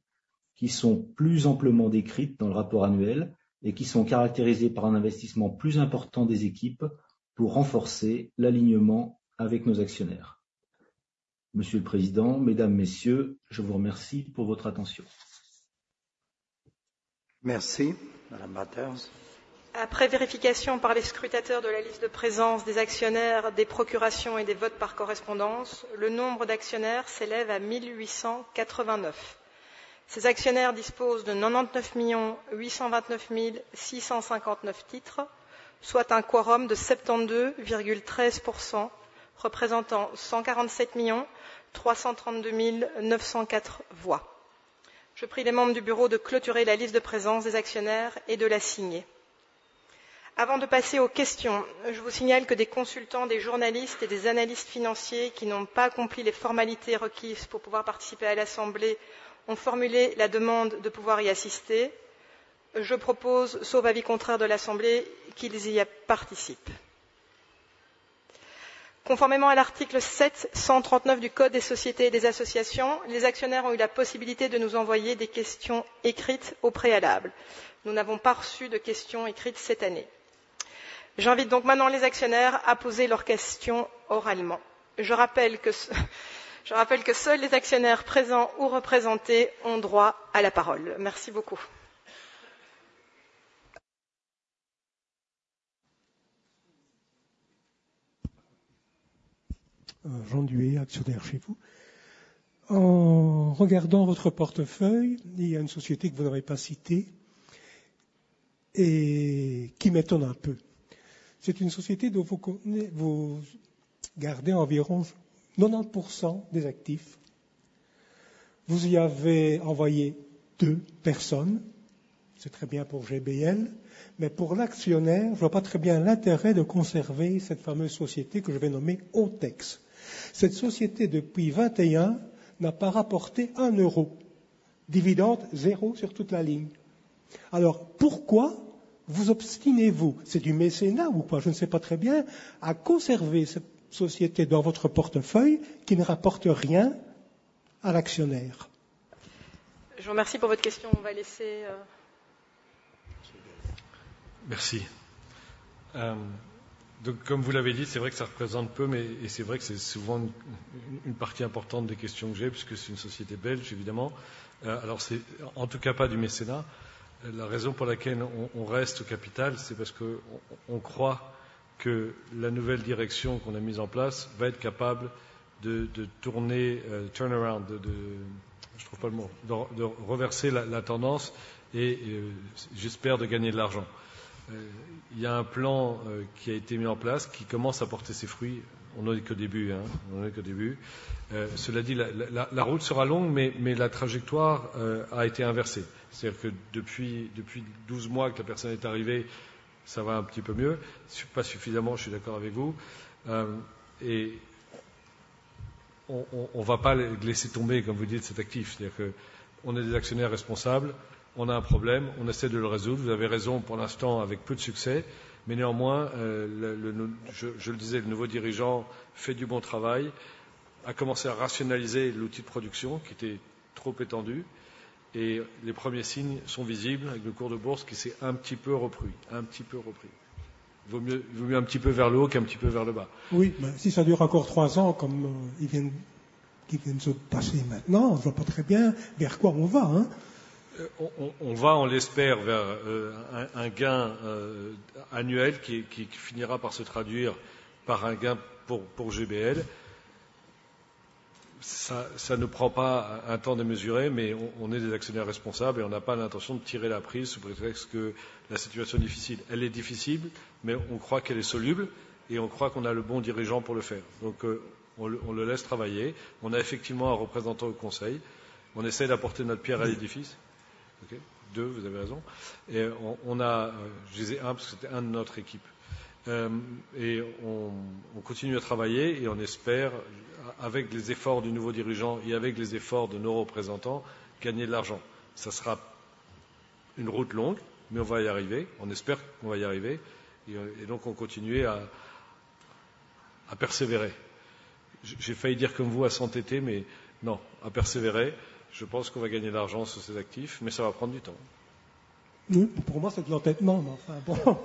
qui sont plus amplement décrites dans le rapport annuel et qui sont caractérisées par un investissement plus important des équipes pour renforcer l'alignement avec nos actionnaires. Monsieur le Président, Mesdames, Messieurs, je vous remercie pour votre attention. Merci, Madame Matters. Après vérification par les scrutateurs de la liste de présence des actionnaires, des procurations et des votes par correspondance, le nombre d'actionnaires s'élève à 1 889. Ces actionnaires disposent de 99 829 659 titres, soit un quorum de 72,13%, représentant 147 332 904 voix. Je prie les membres du bureau de clôturer la liste de présence des actionnaires et de la signer. Avant de passer aux questions, je vous signale que des consultants, des journalistes et des analystes financiers qui n'ont pas accompli les formalités requises pour pouvoir participer à l'Assemblée ont formulé la demande de pouvoir y assister. Je propose, sauf avis contraire de l'Assemblée, qu'ils y participent. Conformément à l'article sept cent trente-neuf du Code des sociétés et des associations, les actionnaires ont eu la possibilité de nous envoyer des questions écrites au préalable. Nous n'avons pas reçu de questions écrites cette année. J'invite donc maintenant les actionnaires à poser leurs questions oralement. Je rappelle que seuls les actionnaires présents ou représentés ont droit à la parole. Merci beaucoup. Jean Duet, actionnaire chez vous. En regardant votre portefeuille, il y a une société que vous n'avez pas citée et qui m'étonne un peu. C'est une société dont vous conservez environ 90% des actifs. Vous y avez envoyé deux personnes. C'est très bien pour GBL, mais pour l'actionnaire, je ne vois pas très bien l'intérêt de conserver cette fameuse société que je vais nommer Otex. Cette société, depuis 2021, n'a pas rapporté un euro. Dividende zéro sur toute la ligne. Alors, pourquoi vous obstinez-vous? C'est du mécénat ou quoi? Je ne sais pas très bien, à conserver cette société dans votre portefeuille qui ne rapporte rien à l'actionnaire. Je vous remercie pour votre question. On va laisser... Merci. Donc, comme vous l'avez dit, c'est vrai que ça représente peu, mais c'est vrai que c'est souvent une partie importante des questions que j'ai, puisque c'est une société belge, évidemment. Alors, c'est en tout cas pas du mécénat. La raison pour laquelle on reste au capital, c'est parce qu'on croit que la nouvelle direction qu'on a mise en place va être capable de tourner, turnaround, de reverser la tendance et j'espère, de gagner de l'argent. Il y a un plan qui a été mis en place, qui commence à porter ses fruits. On n'en est qu'au début, on n'en est qu'au début. Cela dit, la route sera longue, mais la trajectoire a été inversée. C'est-à-dire que depuis douze mois que la personne est arrivée, ça va un petit peu mieux. Pas suffisamment, je suis d'accord avec vous. Et on va pas laisser tomber, comme vous dites, cet actif. C'est-à-dire qu'on est des actionnaires responsables, on a un problème, on essaie de le résoudre. Vous avez raison, pour l'instant, avec peu de succès, mais néanmoins, le nouveau dirigeant fait du bon travail, a commencé à rationaliser l'outil de production, qui était trop étendu, et les premiers signes sont visibles avec le cours de bourse qui s'est un petit peu repris. Vaut mieux un petit peu vers le haut qu'un petit peu vers le bas. Oui, mais si ça dure encore trois ans, comme il vient de se passer maintenant, on ne voit pas très bien vers quoi on va, hein. On va, on l'espère, vers un gain annuel qui finira par se traduire par un gain pour GBL. Ça ne prend pas un temps démesuré, mais on est des actionnaires responsables et on n'a pas l'intention de tirer la prise sous prétexte que la situation est difficile. Elle est difficile, mais on croit qu'elle est soluble et on croit qu'on a le bon dirigeant pour le faire. Donc, on le laisse travailler. On a effectivement un représentant au Conseil. On essaie d'apporter notre pierre à l'édifice. Deux, vous avez raison. On a... je disais un, parce que c'était un de notre équipe. Et on continue à travailler et on espère, avec les efforts du nouveau dirigeant et avec les efforts de nos représentants, gagner de l'argent. Ça sera une route longue, mais on va y arriver. On espère qu'on va y arriver et donc on continue à persévérer. J'ai failli dire comme vous, à s'entêter, mais non, à persévérer. Je pense qu'on va gagner de l'argent sur ces actifs, mais ça va prendre du temps. Pour moi, c'est de l'entêtement, mais enfin bon.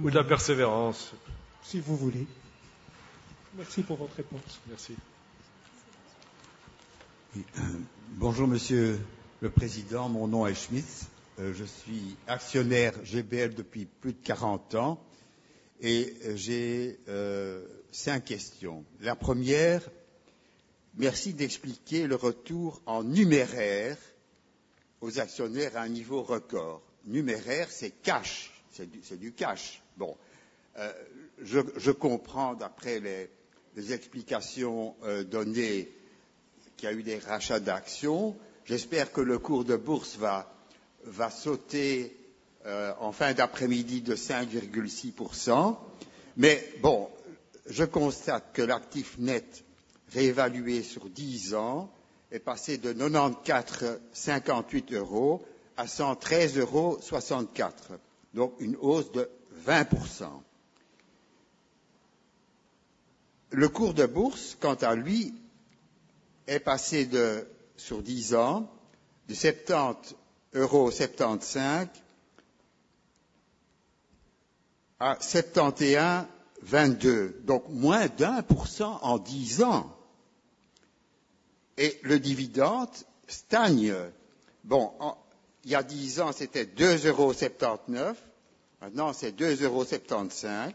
Ou de la persévérance. Si vous voulez. Merci pour votre réponse. Merci. Bonjour Monsieur le Président. Mon nom est Schmitz. Je suis actionnaire GBL depuis plus de quarante ans et j'ai cinq questions. La première: merci d'expliquer le retour en numéraire aux actionnaires à un niveau record. Numéraire, c'est cash, c'est du cash. Je comprends, d'après les explications données, qu'il y a eu des rachats d'actions. J'espère que le cours de bourse va sauter en fin d'après-midi de 5,6%. Je constate que l'actif net, réévalué sur dix ans, est passé de 94,58 € à 113,64 €, donc une hausse de 20%. Le cours de bourse, quant à lui, est passé sur dix ans de 70,75 € à 71,22 €, donc moins de 1% en dix ans. Et le dividende stagne. Bon, il y a dix ans, c'était 2,79 €, maintenant, c'est 2,75 €.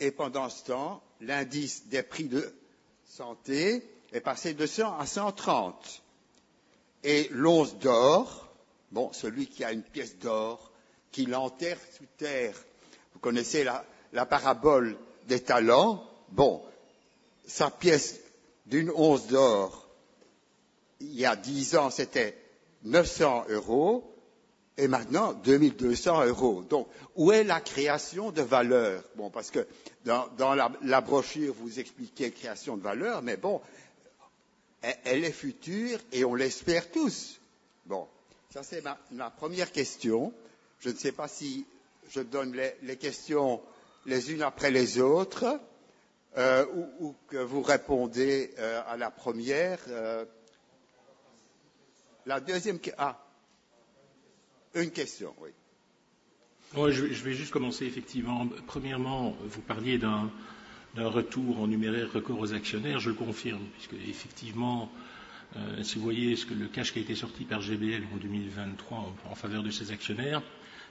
Et pendant ce temps, l'indice des prix de santé est passé de 100 à 130. Et l'once d'or, bon, celui qui a une pièce d'or, qu'il l'enterre sous terre. Vous connaissez la parabole des talents? Bon, sa pièce d'une once d'or, il y a dix ans, c'était 900 € et maintenant, 2 200 €. Donc, où est la création de valeur? Bon, parce que dans la brochure, vous expliquez création de valeur, mais bon, elle est future et on l'espère tous. Bon, ça, c'est ma première question. Je ne sais pas si je donne les questions les unes après les autres, ou que vous répondez à la première. La deuxième que... Ah! Une question, oui. Je vais juste commencer, effectivement. Premièrement, vous parliez d'un retour en numéraire record aux actionnaires. Je le confirme, puisque effectivement, si vous voyez le cash qui a été sorti par GBL en 2023 en faveur de ses actionnaires,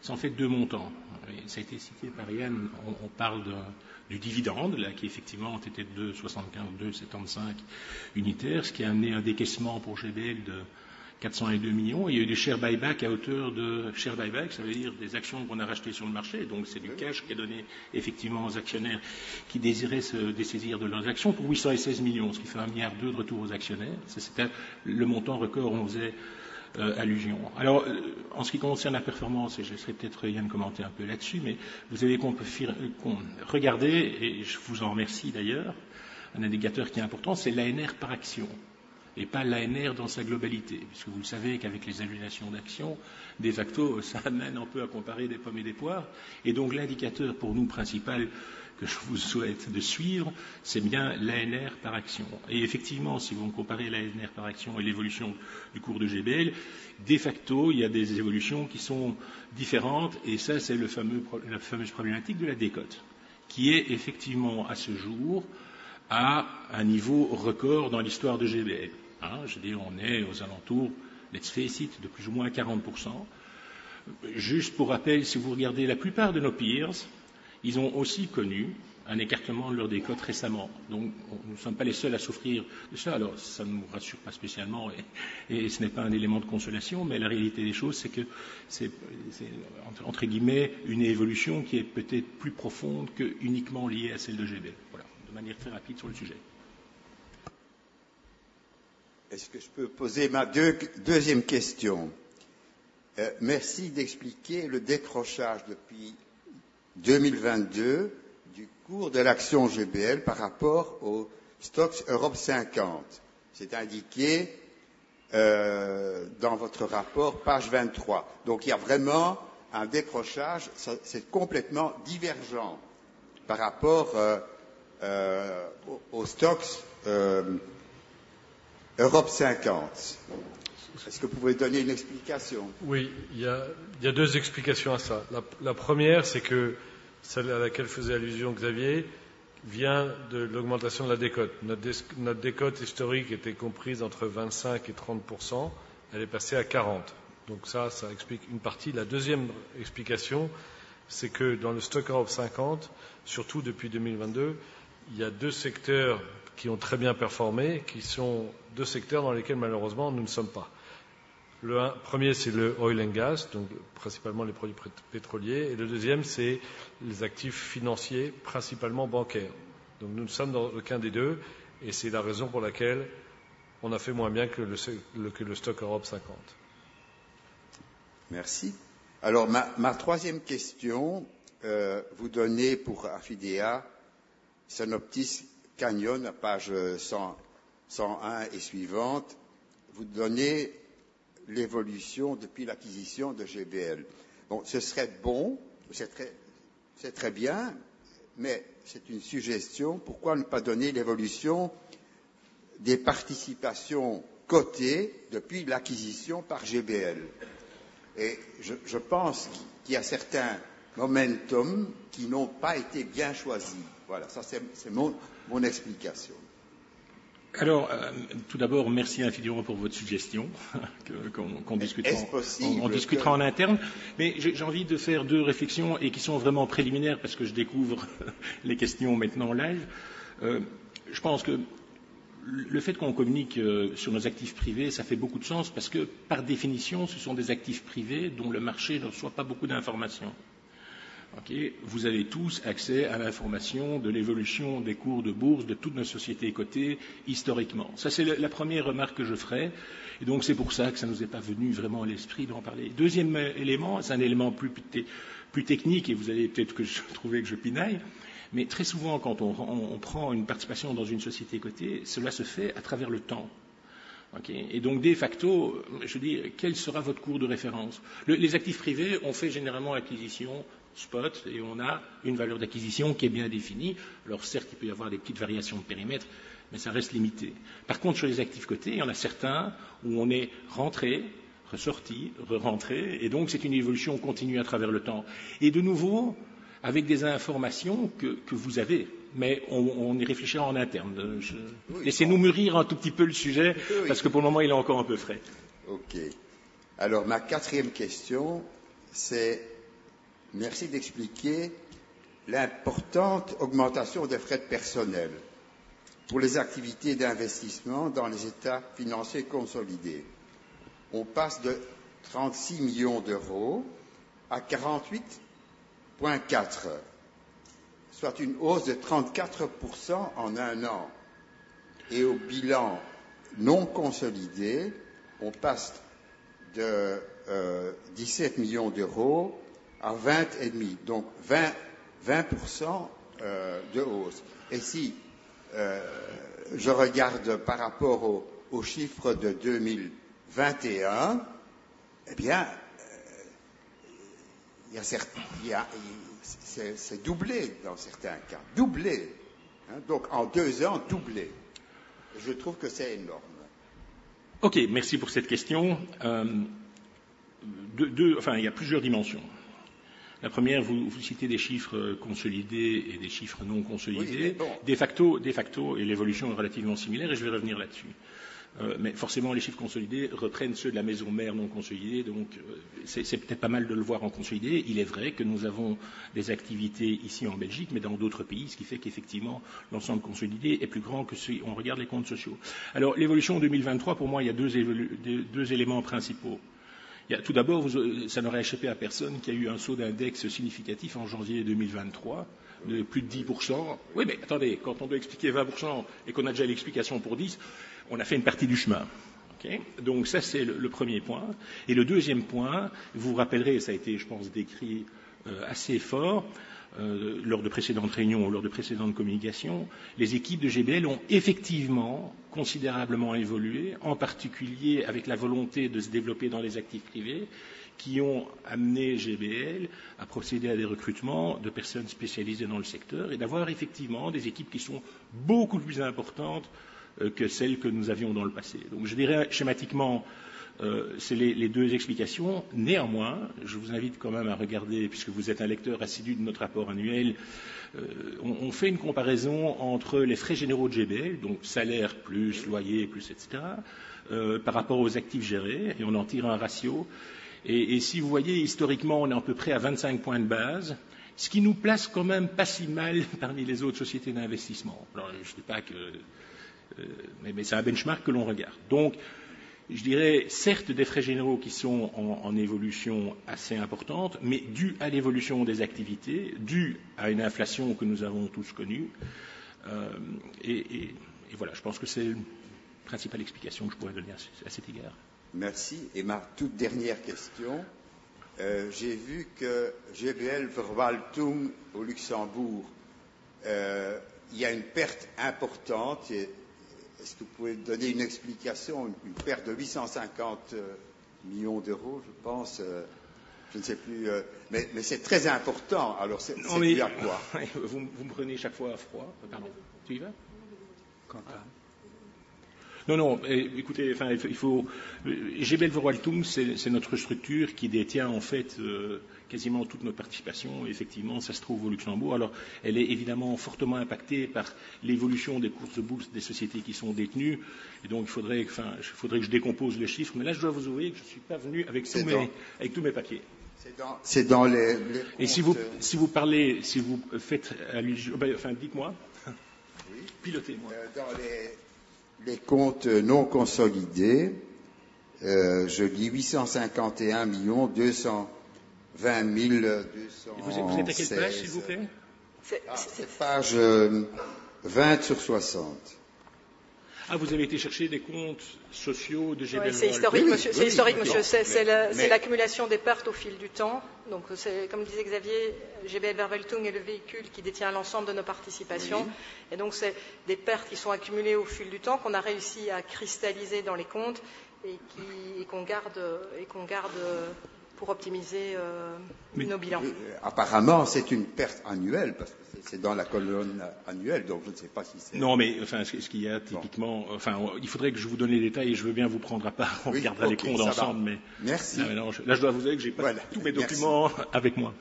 ça fait deux montants. Ça a été cité par Yann. On parle du dividende, qui effectivement était de €2,75, €2,65 unitaire, ce qui a amené un décaissement pour GBL de €402 millions. Il y a eu des share buyback à hauteur de... share buyback, ça veut dire des actions qu'on a rachetées sur le marché. Donc, c'est du cash qui est donné effectivement aux actionnaires qui désiraient se dessaisir de leurs actions pour €816 millions, ce qui fait €1,2 milliard de retour aux actionnaires. C'était le montant record dont on faisait allusion. Alors, en ce qui concerne la performance, et je laisserai peut-être Yann commenter un peu là-dessus, mais vous savez qu'on peut... Regardez, et je vous en remercie d'ailleurs, un indicateur qui est important, c'est l'ANR par action et pas l'ANR dans sa globalité. Puisque vous le savez qu'avec les annulations d'actions, de facto, ça amène un peu à comparer des pommes et des poires. Et donc l'indicateur, pour nous, principal, que je vous souhaite de suivre, c'est bien l'ANR par action. Et effectivement, si vous comparez l'ANR par action et l'évolution du cours de GBL, de facto, il y a des évolutions qui sont différentes. Et ça, c'est la fameuse problématique de la décote, qui est effectivement, à ce jour, à un niveau record dans l'histoire de GBL. Je veux dire, on est aux alentours de plus ou moins 40%. Juste pour rappel, si vous regardez la plupart de nos pairs, ils ont aussi connu un écartement de leur décote récemment. Donc, nous ne sommes pas les seuls à souffrir de ça. Alors, ça ne nous rassure pas spécialement et ce n'est pas un élément de consolation, mais la réalité des choses, c'est que c'est, entre guillemets, une évolution qui est peut-être plus profonde que uniquement liée à celle de GBL. Voilà, de manière très rapide sur le sujet. Est-ce que je peux poser ma deuxième question? Merci d'expliquer le décrochage depuis 2022 du cours de l'action GBL par rapport au Stoxx Europe 50. C'est indiqué dans votre rapport, page 23. Donc, il y a vraiment un décrochage. C'est complètement divergent par rapport au Stoxx Europe 50. Est-ce que vous pouvez donner une explication? Oui, il y a deux explications à ça. La première, c'est celle à laquelle faisait allusion Xavier, vient de l'augmentation de la décote. Notre décote historique était comprise entre 25% et 30%. Elle est passée à 40%. Donc ça explique une partie. La deuxième explication, c'est que dans le Stoxx Europe 50, surtout depuis 2022, il y a deux secteurs qui ont très bien performé, qui sont deux secteurs dans lesquels, malheureusement, nous ne sommes pas. Le premier, c'est le oil and gas, donc principalement les produits pétroliers, et le deuxième, c'est les actifs financiers, principalement bancaires. Donc nous ne sommes dans aucun des deux et c'est la raison pour laquelle on a fait moins bien que le Stoxx Europe 50. Merci. Alors, ma troisième question, vous donnez pour Fidélia, Synoptis Canyon, à page cent un et suivantes, vous donnez l'évolution depuis l'acquisition de GBL. Bon, ce serait bon, c'est très bien, mais c'est une suggestion: pourquoi ne pas donner l'évolution des participations cotées depuis l'acquisition par GBL. Et je pense qu'il y a certains momentums qui n'ont pas été bien choisis. Voilà, ça, c'est mon explication. Alors, tout d'abord, merci infiniment pour votre suggestion qu'on discutera en interne. Mais j'ai envie de faire deux réflexions et qui sont vraiment préliminaires parce que je découvre les questions maintenant là. Je pense que le fait qu'on communique sur nos actifs privés, ça fait beaucoup de sens, parce que, par définition, ce sont des actifs privés dont le marché ne reçoit pas beaucoup d'informations. OK? Vous avez tous accès à l'information de l'évolution des cours de bourse de toutes nos sociétés cotées, historiquement. Ça, c'est la première remarque que je ferais. Et donc, c'est pour ça que ça nous est pas venu vraiment à l'esprit d'en parler. Deuxième élément, c'est un élément plus technique et vous allez peut-être trouver que je pinaille, mais très souvent, quand on prend une participation dans une société cotée, cela se fait à travers le temps. OK? Et donc, de facto, je dis: quel sera votre cours de référence? Les actifs privés, on fait généralement acquisition, spot, et on a une valeur d'acquisition qui est bien définie. Alors, certes, il peut y avoir des petites variations de périmètre, mais ça reste limité. Par contre, sur les actifs cotés, il y en a certains où on est rentré, ressorti, rerentré et donc c'est une évolution continue à travers le temps. Et de nouveau, avec des informations que vous avez, mais on est en train de réfléchir en interne. Laissez-nous mûrir un tout petit peu le sujet, parce que pour le moment, il est encore un peu frais. OK. Alors, ma quatrième question, c'est: merci d'expliquer l'importante augmentation des frais de personnel pour les activités d'investissement dans les états financiers consolidés. On passe de 36 millions d'euros à 48,4 millions d'euros, soit une hausse de 34% en un an. Et au bilan non consolidé, on passe de 17 millions d'euros à 20,5 millions d'euros, donc 20% de hausse. Et si je regarde par rapport aux chiffres de 2021, eh bien, il y a certains cas où c'est doublé. Doublé! Donc, en deux ans, doublé. Je trouve que c'est énorme. OK, merci pour cette question. Euh, deux, enfin, il y a plusieurs dimensions. La première, vous citez des chiffres consolidés et des chiffres non consolidés. De facto, l'évolution est relativement similaire et je vais revenir là-dessus. Mais forcément, les chiffres consolidés reprennent ceux de la maison mère non consolidée. Donc, c'est peut-être pas mal de le voir en consolidé. Il est vrai que nous avons des activités ici en Belgique, mais dans d'autres pays, ce qui fait qu'effectivement, l'ensemble consolidé est plus grand que si on regarde les comptes sociaux. Alors, l'évolution 2023, pour moi, il y a deux éléments principaux. Tout d'abord, ça n'aurait échappé à personne qu'il y a eu un saut d'index significatif en janvier 2023, de plus de 10%. Oui, mais attendez, quand on doit expliquer 20% et qu'on a déjà l'explication pour 10%, on a fait une partie du chemin. OK? Donc ça, c'est le premier point. Et le deuxième point, vous vous rappellerez, ça a été, je pense, décrit assez fort, lors de précédentes réunions ou lors de précédentes communications, les équipes de GBL ont effectivement considérablement évolué, en particulier avec la volonté de se développer dans les actifs privés, qui ont amené GBL à procéder à des recrutements de personnes spécialisées dans le secteur et d'avoir effectivement des équipes qui sont beaucoup plus importantes que celles que nous avions dans le passé. Donc, je dirais, schématiquement, c'est les deux explications. Néanmoins, je vous invite quand même à regarder, puisque vous êtes un lecteur assidu de notre rapport annuel. On fait une comparaison entre les frais généraux de GBL, donc salaires plus loyers, plus etc., par rapport aux actifs gérés, et on en tire un ratio. Et si vous voyez, historiquement, on est à peu près à 25 points de base, ce qui nous place quand même pas si mal parmi les autres sociétés d'investissement. Je ne dis pas que... mais c'est un benchmark que l'on regarde. Donc, je dirais, certes, des frais généraux qui sont en évolution assez importante, mais dû à l'évolution des activités, dû à une inflation que nous avons tous connue. Et voilà, je pense que c'est la principale explication que je pourrais donner à cet égard. Merci. Et ma toute dernière question: j'ai vu que GBL Verwaltung, au Luxembourg, il y a une perte importante. Est-ce que vous pouvez donner une explication? Une perte de €850 millions, je pense. Je ne sais plus, mais c'est très important. Alors, c'est dû à quoi? Vous me prenez chaque fois à froid. Pardon, tu y vas? Quentin. Non, non, écoutez, il faut... GBL Verwaltung, c'est notre structure qui détient en fait quasiment toutes nos participations. Effectivement, ça se trouve au Luxembourg. Alors, elle est évidemment fortement impactée par l'évolution des cours de bourse des sociétés qui sont détenues. Et donc, il faudrait que je décompose le chiffre, mais là, je dois vous avouer que je ne suis pas venu avec tous mes papiers. C'est dans les- Et si vous parlez, si vous faites... Enfin, dites-moi. Pilotez-moi. Dans les comptes non consolidés, je lis 851 220 216 €. Vous êtes à quelle page, s'il vous plaît? Page vingt sur soixante. Ah, vous avez été chercher des comptes sociaux de GBL. C'est historique, monsieur. C'est l'accumulation des pertes au fil du temps. Donc, comme disait Xavier, GBL Verwaltung est le véhicule qui détient l'ensemble de nos participations. Et donc c'est des pertes qui sont accumulées au fil du temps, qu'on a réussi à cristalliser dans les comptes et qu'on garde pour optimiser nos bilans. Apparemment, c'est une perte annuelle, parce que c'est dans la colonne annuelle, donc je ne sais pas si c'est- Non, mais ce qui a typiquement... Il faudrait que je vous donne les détails et je veux bien vous prendre à part en regardant les comptes ensemble. Merci. Là, je dois vous avouer que je n'ai pas tous mes documents avec moi.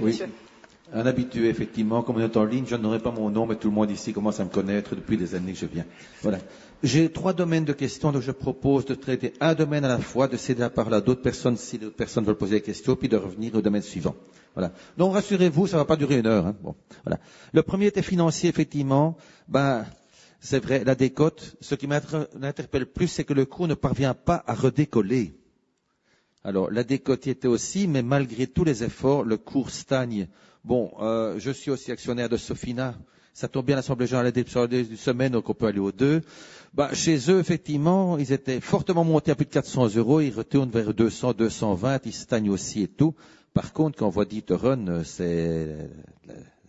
Oui, un habitué, effectivement. Comme on est en ligne, je ne donnerai pas mon nom, mais tout le monde ici commence à me connaître depuis les années que je viens. Voilà. J'ai trois domaines de questions, donc je propose de traiter un domaine à la fois, de céder la parole à d'autres personnes, si d'autres personnes veulent poser des questions, puis de revenir au domaine suivant. Voilà. Non, rassurez-vous, ça ne va pas durer une heure, bon, voilà. Le premier était financier, effectivement. C'est vrai, la décote, ce qui m'interpelle plus, c'est que le cours ne parvient pas à redécoller. Alors, la décote y était aussi, mais malgré tous les efforts, le cours stagne. Je suis aussi actionnaire de Sofina. Ça tombe bien, l'assemblée générale a lieu dans une semaine, donc on peut aller aux deux. Ben, chez eux, effectivement, ils étaient fortement montés à plus de 400 €. Ils retournent vers 200 €, 220 €. Ils stagnent aussi et tout. Par contre, quand on voit Dito Run, c'est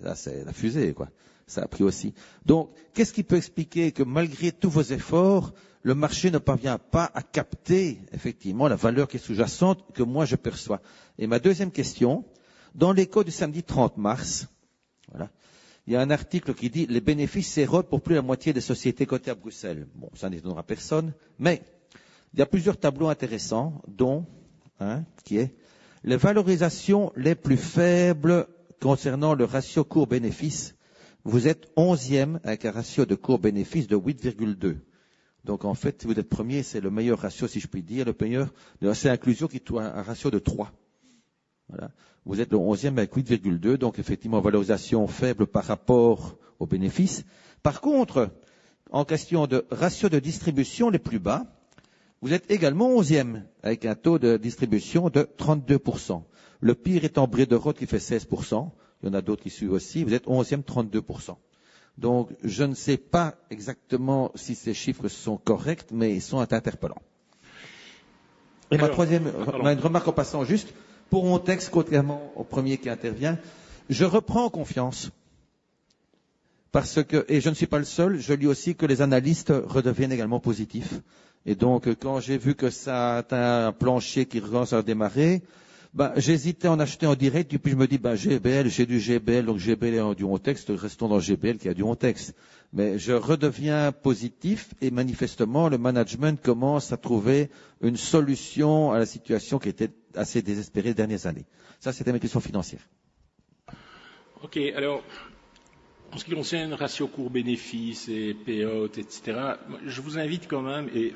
là, c'est la fusée, quoi. Ça a pris aussi. Donc, qu'est-ce qui peut expliquer que malgré tous vos efforts, le marché ne parvient pas à capter effectivement la valeur qui est sous-jacente que moi, je perçois? Et ma deuxième question, dans L'Écho du samedi 30 mars, voilà, il y a un article qui dit: les bénéfices s'érodent pour plus de la moitié des sociétés cotées à Bruxelles. Bon, ça n'étonnera personne, mais il y a plusieurs tableaux intéressants, dont un, qui est les valorisations les plus faibles concernant le ratio cours-bénéfice. Vous êtes onzième avec un ratio de cours-bénéfice de 8,2. Donc, en fait, vous êtes premier, c'est le meilleur ratio, si je puis dire, le meilleur. C'est Inclusion, qui est un ratio de trois. Voilà. Vous êtes le onzième avec 8,2, donc effectivement, valorisation faible par rapport au bénéfice. Par contre, en question de ratio de distribution les plus bas, vous êtes également onzième, avec un taux de distribution de 32%. Le pire étant Briederon, qui fait 16%. Il y en a d'autres qui suivent aussi. Vous êtes onzième, 32%. Donc, je ne sais pas exactement si ces chiffres sont corrects, mais ils sont interpellants. Et ma troisième, une remarque en passant juste. Pour Montex, contrairement au premier qui intervient, je reprends confiance, parce que, et je ne suis pas le seul, je lis aussi que les analystes redeviennent également positifs. Et donc, quand j'ai vu que ça atteint un plancher qui recommence à redémarrer, j'ai hésité à en acheter en direct. Et puis, je me dis: GBL, j'ai du GBL, donc GBL a du Montex, restons dans GBL, qui a du Montex. Mais je redeviens positif et manifestement, le management commence à trouver une solution à la situation qui était assez désespérée les dernières années. Ça, c'était ma question financière. OK, alors, en ce qui concerne le ratio cours-bénéfice et payout, etc., je vous invite quand même, et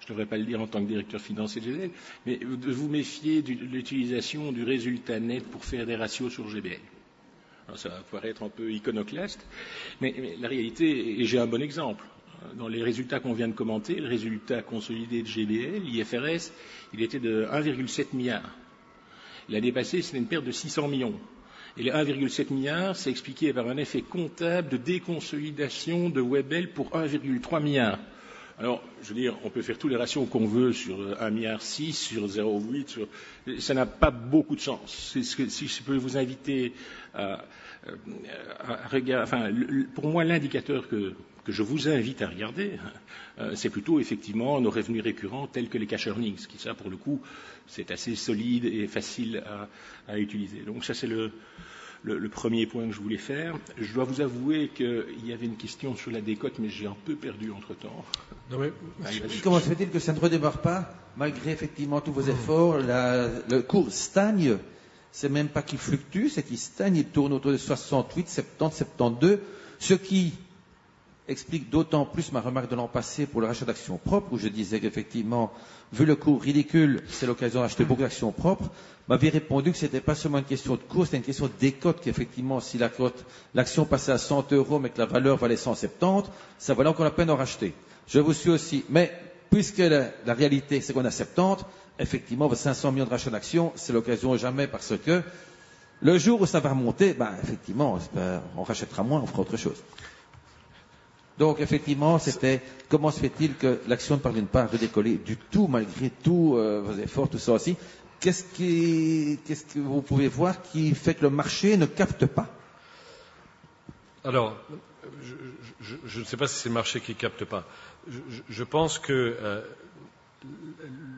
je ne devrais pas le dire en tant que directeur financier général, mais de vous méfier de l'utilisation du résultat net pour faire des ratios sur GBL. Ça va paraître un peu iconoclaste, mais la réalité, et j'ai un bon exemple. Dans les résultats qu'on vient de commenter, le résultat consolidé de GBL, l'IFRS, il était de €1,7 milliard. L'année passée, c'était une perte de €600 millions. Et les €1,7 milliard, c'est expliqué par un effet comptable de déconsolidation de Webel pour €1,3 milliard. Alors, je veux dire, on peut faire tous les ratios qu'on veut sur €1,6 milliard, sur €0,8 milliard... Ça n'a pas beaucoup de sens. Si je peux vous inviter à regarder. Pour moi, l'indicateur que je vous invite à regarder, c'est plutôt effectivement nos revenus récurrents tels que les cash earnings, qui ça, pour le coup, c'est assez solide et facile à utiliser. Donc ça, c'est le premier point que je voulais faire. Je dois vous avouer qu'il y avait une question sur la décote, mais j'ai un peu perdu entre temps. Comment se fait-il que ça ne redémarre pas? Malgré effectivement tous vos efforts, le cours stagne. Ce n'est même pas qu'il fluctue, c'est qu'il stagne. Il tourne autour de 68 €, 70 €, 72 €. Ce qui explique d'autant plus ma remarque de l'an passé pour le rachat d'actions propres, où je disais qu'effectivement, vu le cours ridicule, c'est l'occasion d'acheter beaucoup d'actions propres. Vous m'aviez répondu que ce n'était pas seulement une question de cours, c'était une question de décote, qu'effectivement, si la cote, l'action passait à 100 €, mais que la valeur valait 170 €, ça valait encore la peine d'en racheter. Je vous suis aussi. Mais puisque la réalité, c'est qu'on a 70 €, effectivement, 500 millions € de rachats d'actions, c'est l'occasion ou jamais, parce que le jour où ça va remonter, effectivement, on rachètera moins, on fera autre chose. Donc, effectivement, c'était: comment se fait-il que l'action ne parvienne pas à redécoller du tout, malgré tous vos efforts, tout ça aussi? Qu'est-ce qui, qu'est-ce que vous pouvez voir, qui fait que le marché ne capte pas? Alors, je ne sais pas si c'est le marché qui ne capte pas. Je pense que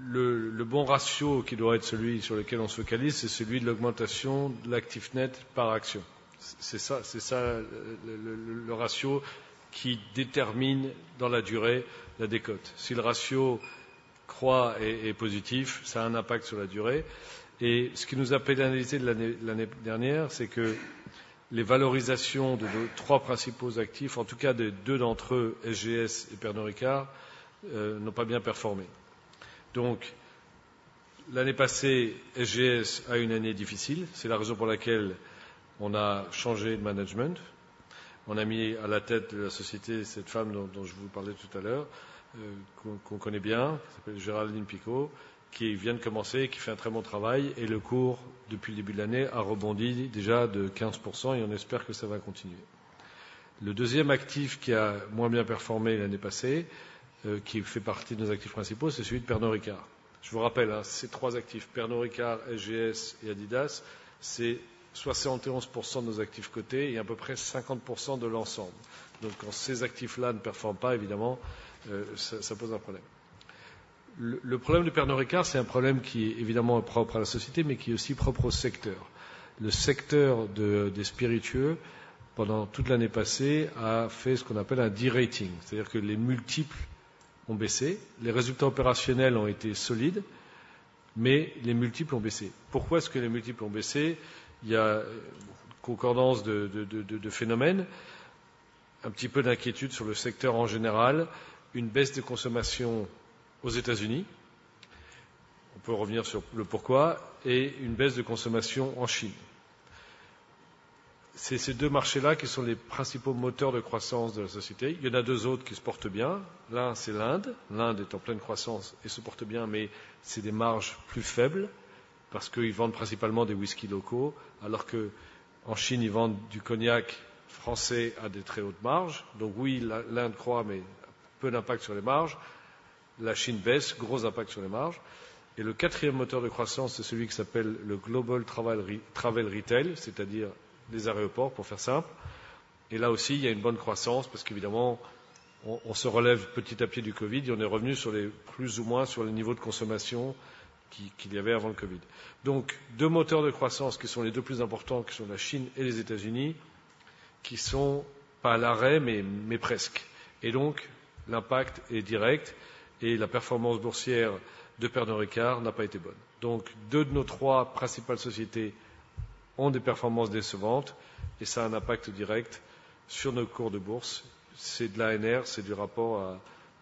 le bon ratio, qui doit être celui sur lequel on se focalise, c'est celui de l'augmentation de l'actif net par action. C'est ça le ratio qui détermine, dans la durée, la décote. Si le ratio croît et est positif, ça a un impact sur la durée. Et ce qui nous a pénalisés l'année dernière, c'est que les valorisations de nos trois principaux actifs, en tout cas des deux d'entre eux, SGS et Pernod Ricard, n'ont pas bien performé. Donc, l'année passée, SGS a eu une année difficile. C'est la raison pour laquelle on a changé de management. On a mis à la tête de la société cette femme dont je vous parlais tout à l'heure, qu'on connaît bien, qui s'appelle Géraldine Picot, qui vient de commencer et qui fait un très bon travail. Et le cours, depuis le début de l'année, a rebondi déjà de 15% et on espère que ça va continuer. Le deuxième actif, qui a moins bien performé l'année passée, qui fait partie de nos actifs principaux, c'est celui de Pernod Ricard. Je vous rappelle, ces trois actifs: Pernod Ricard, SGS et Adidas, c'est 71% de nos actifs cotés et à peu près 50% de l'ensemble. Donc, quand ces actifs-là ne performent pas, évidemment, ça pose un problème. Le problème de Pernod Ricard, c'est un problème qui est évidemment propre à la société, mais qui est aussi propre au secteur. Le secteur des spiritueux, pendant toute l'année passée, a fait ce qu'on appelle un derating, c'est-à-dire que les multiples... Les résultats ont baissé, les résultats opérationnels ont été solides, mais les multiples ont baissé. Pourquoi est-ce que les multiples ont baissé? Il y a concordance de phénomènes, un petit peu d'inquiétude sur le secteur en général, une baisse des consommations aux États-Unis. On peut revenir sur le pourquoi et une baisse de consommation en Chine. C'est ces deux marchés-là qui sont les principaux moteurs de croissance de la société. Il y en a deux autres qui se portent bien. L'un, c'est l'Inde. L'Inde est en pleine croissance et se porte bien, mais c'est des marges plus faibles parce qu'ils vendent principalement des whisky locaux, alors qu'en Chine, ils vendent du cognac français à des très hautes marges. Donc oui, l'Inde croît, mais peu d'impact sur les marges. La Chine baisse, gros impact sur les marges. Et le quatrième moteur de croissance, c'est celui qui s'appelle le Global Travel Retail, c'est-à-dire les aéroports, pour faire simple. Et là aussi, il y a une bonne croissance parce qu'évidemment, on se relève petit à petit du COVID et on est revenu sur les, plus ou moins, sur le niveau de consommation qu'il y avait avant le COVID. Donc, deux moteurs de croissance, qui sont les deux plus importants, qui sont la Chine et les États-Unis, qui sont pas à l'arrêt, mais presque. L'impact est direct et la performance boursière de Pernod Ricard n'a pas été bonne. Donc, deux de nos trois principales sociétés ont des performances décevantes et ça a un impact direct sur nos cours de bourse. C'est de la NR, c'est du rapport à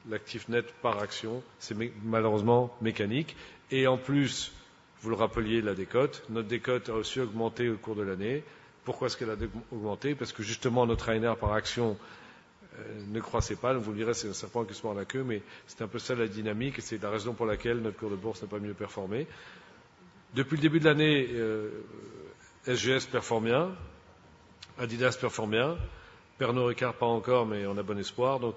l'actif net par action. C'est malheureusement mécanique. Et en plus, vous le rappeliez, la décote, notre décote a aussi augmenté au cours de l'année. Pourquoi est-ce qu'elle a augmenté? Parce que justement, notre ANR par action ne croissait pas. Vous me direz, c'est un serpent qui se mord la queue, mais c'est un peu ça la dynamique et c'est la raison pour laquelle notre cours de bourse n'a pas mieux performé. Depuis le début de l'année, SGS performe bien, Adidas performe bien, Pernod Ricard pas encore, mais on a bon espoir. Donc,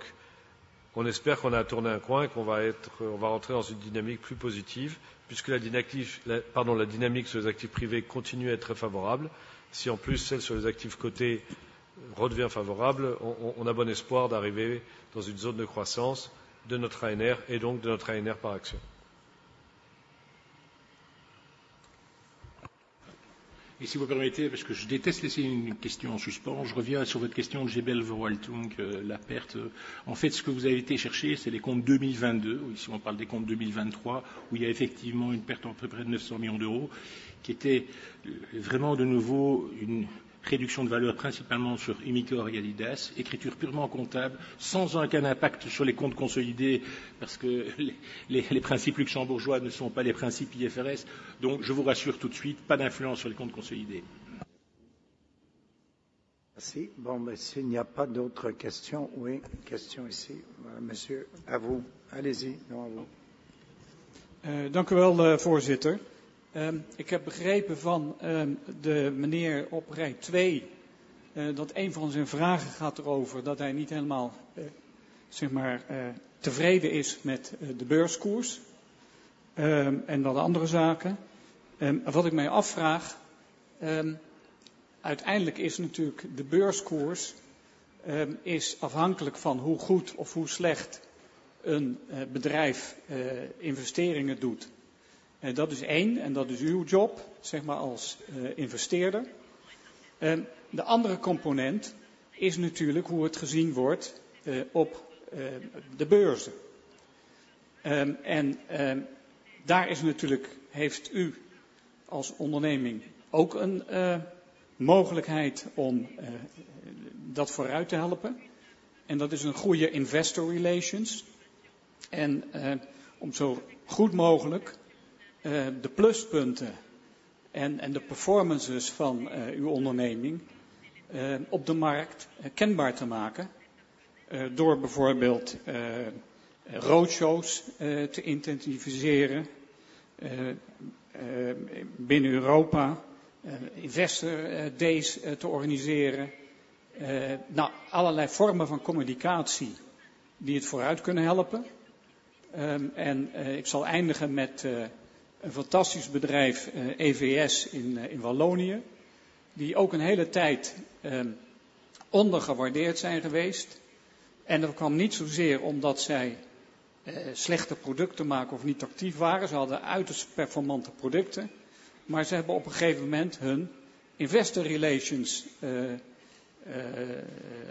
on espère qu'on a tourné un coin et qu'on va être, on va rentrer dans une dynamique plus positive, puisque la dynamique sur les actifs privés continue à être très favorable. Si en plus, celle sur les actifs cotés redevient favorable, on a bon espoir d'arriver dans une zone de croissance de notre ANR et donc de notre ANR par action. Et si vous permettez, parce que je déteste laisser une question en suspens, je reviens sur votre question Jebel Weltung, la perte. En fait, ce que vous avez été chercher, c'est les comptes 2022. Ici, on parle des comptes 2023, où il y a effectivement une perte à peu près de €900 millions, qui était vraiment de nouveau une réduction de valeur, principalement sur Imicor et Adidas. Écriture purement comptable, sans aucun impact sur les comptes consolidés, parce que les principes luxembourgeois ne sont pas des principes IFRS. Donc, je vous rassure tout de suite, pas d'influence sur les comptes consolidés. Merci. Bon, s'il n'y a pas d'autres questions. Oui, question ici, Monsieur, à vous. Allez-y. Dank u wel, voorzitter. Ik heb begrepen van de meneer op rij twee, dat een van zijn vragen gaat over dat hij niet helemaal tevreden is met de beurskoers en andere zaken. Wat ik mij afvraag: uiteindelijk is natuurlijk de beurskoers afhankelijk van hoe goed of hoe slecht een bedrijf investeringen doet. Dat is één en dat is uw job als investeerder. De andere component is natuurlijk hoe het gezien wordt op de beurzen. Daar heeft u als onderneming ook een mogelijkheid om dat vooruit te helpen. Dat is een goede investor relations. Om zo goed mogelijk de pluspunten en de performances van uw onderneming op de markt kenbaar te maken, door bijvoorbeeld roadshows te intensiveren binnen Europa, investor days te organiseren. Allerlei vormen van communicatie die het vooruit kunnen helpen. En ik zal eindigen met een fantastisch bedrijf, EVS, in Wallonië, die ook een hele tijd ondergewaardeerd zijn geweest. En dat kwam niet zozeer omdat zij slechte producten maken of niet actief waren. Ze hadden uiterst performante producten, maar ze hebben op een gegeven moment hun investor relations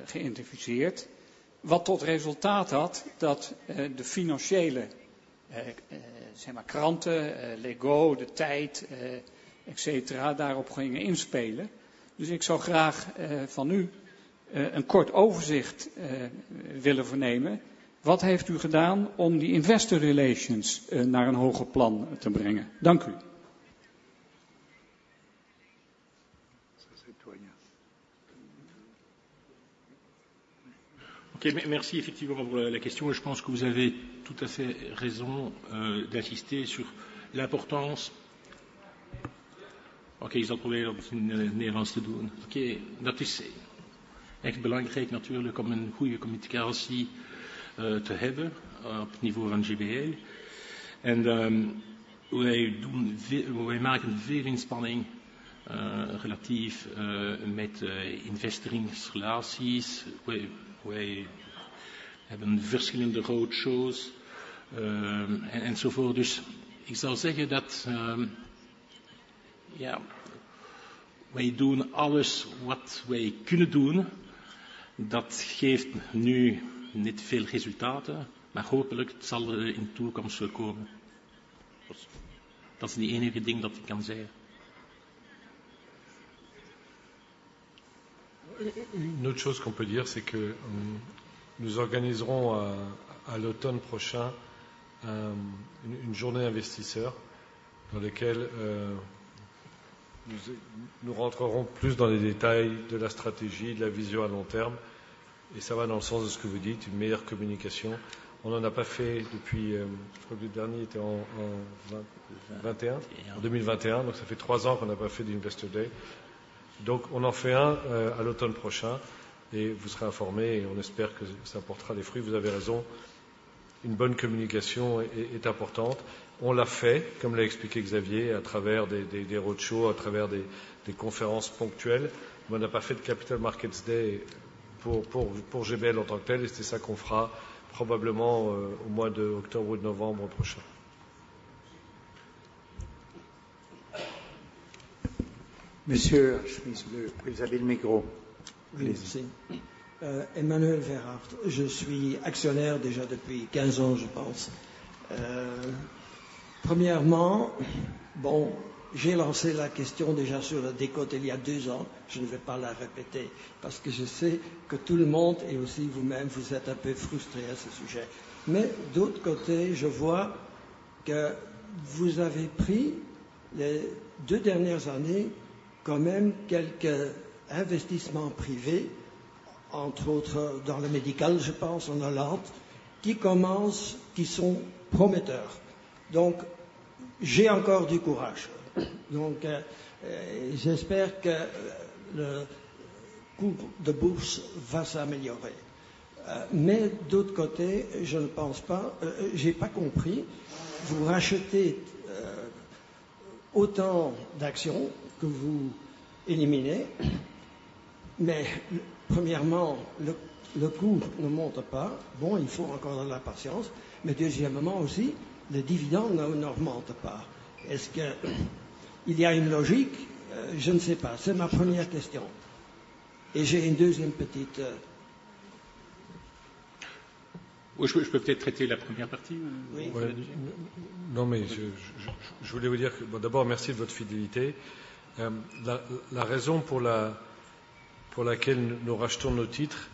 geïntensifieerd, wat tot resultaat had dat de financiële, zeg maar, kranten, L'Écho, De Tijd, et cetera, daarop gingen inspelen. Dus ik zou graag van u een kort overzicht willen vernemen. Wat heeft u gedaan om die investor relations naar een hoger plan te brengen? Dank u. Merci effectivement pour la question et je pense que vous avez tout à fait raison d'insister sur l'importance. Ok, ik zal proberen om het in het Nederlands te doen. Oké, dat is eigenlijk belangrijk natuurlijk om een goede communicatie te hebben op het niveau van JBL. En wij doen, wij maken veel inspanning relatief met investing relaties. Wij hebben verschillende roadshows enzovoort. Dus ik zal zeggen dat- Ja, wij doen alles wat wij kunnen doen. Dat geeft nu niet veel resultaten, maar hopelijk zal er in de toekomst komen. Dat is het enige ding dat ik kan zeggen. Une autre chose qu'on peut dire, c'est que nous organiserons à l'automne prochain une journée investisseur dans laquelle nous rentrerons plus dans les détails de la stratégie, de la vision à long terme. Et ça va dans le sens de ce que vous dites, une meilleure communication. On n'en a pas fait depuis, je crois que le dernier était en 2021. Donc ça fait trois ans qu'on n'a pas fait d'Investor Day. Donc, on en fait un à l'automne prochain et vous serez informé et on espère que ça portera des fruits. Vous avez raison, une bonne communication est importante. On l'a fait, comme l'a expliqué Xavier, à travers des road shows, à travers des conférences ponctuelles. Mais on n'a pas fait de Capital Markets Day pour GBL en tant que tel. Et c'est ça qu'on fera probablement au mois d'octobre ou de novembre prochain. Monsieur, vous avez le micro. Emmanuel Verhaert. Je suis actionnaire déjà depuis quinze ans, je pense. Premièrement, bon, j'ai lancé la question déjà sur la décote il y a deux ans. Je ne vais pas la répéter parce que je sais que tout le monde et aussi vous-même, vous êtes un peu frustré à ce sujet. Mais d'autre côté, je vois que vous avez pris les deux dernières années quand même quelques investissements privés, entre autres dans le médical, je pense, en Hollande, qui commencent, qui sont prometteurs. Donc, j'ai encore du courage. Donc j'espère que le cours de bourse va s'améliorer. Mais d'autre côté, je ne pense pas... J'ai pas compris. Vous rachetez autant d'actions que vous éliminez. Mais premièrement, le cours ne monte pas. Bon, il faut encore de la patience, mais deuxièmement aussi, le dividende n'augmente pas. Est-ce qu'il y a une logique? Je ne sais pas. C'est ma première question. Et j'ai une deuxième petite- Je peux peut-être traiter la première partie? Non, mais je voulais vous dire que d'abord, merci de votre fidélité. La raison pour laquelle nous rachetons nos titres,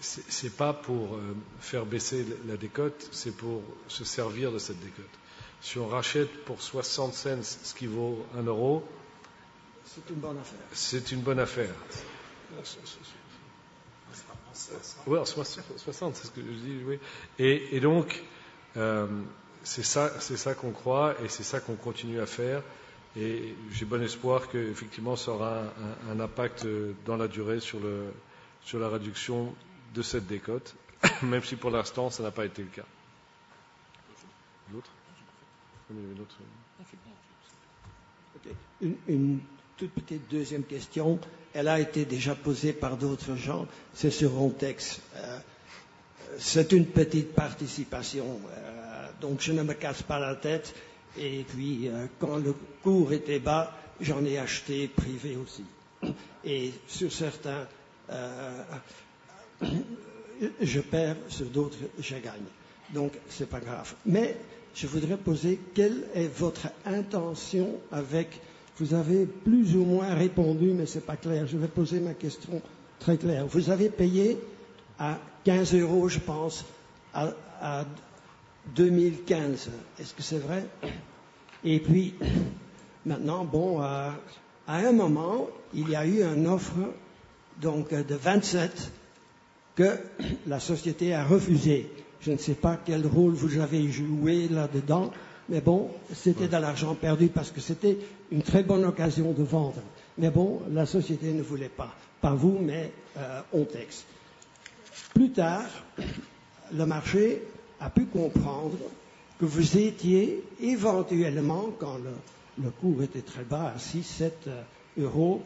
c'est pas pour faire baisser la décote, c'est pour se servir de cette décote. Si on rachète pour 60 centimes ce qui vaut €1... C'est une bonne affaire. C'est une bonne affaire. Soixante, c'est ce que je dis. Et donc, c'est ça, c'est ça qu'on croit et c'est ça qu'on continue à faire. Et j'ai bon espoir qu'effectivement, ça aura un impact dans la durée sur la réduction de cette décote, même si pour l'instant, ça n'a pas été le cas. L'autre? Il y a une autre... Une toute petite deuxième question. Elle a été déjà posée par d'autres gens. C'est sur Ontex. C'est une petite participation, donc je ne me casse pas la tête. Et puis, quand le cours était bas, j'en ai acheté privé aussi. Et sur certains, je perds, sur d'autres, je gagne. Donc ce n'est pas grave. Mais je voudrais poser: quelle est votre intention avec? Vous avez plus ou moins répondu, mais ce n'est pas clair. Je vais poser ma question très claire. Vous avez payé à quinze euros, je pense, à deux mille quinze. Est-ce que c'est vrai? Et puis, maintenant, bon, à un moment, il y a eu une offre, donc de vingt-sept, que la société a refusée. Je ne sais pas quel rôle vous avez joué là-dedans, mais bon, c'était de l'argent perdu parce que c'était une très bonne occasion de vendre. Mais bon, la société ne voulait pas. Pas vous, mais Ontex. Plus tard, le marché a pu comprendre que vous étiez éventuellement, quand le cours était très bas, à €6, €7,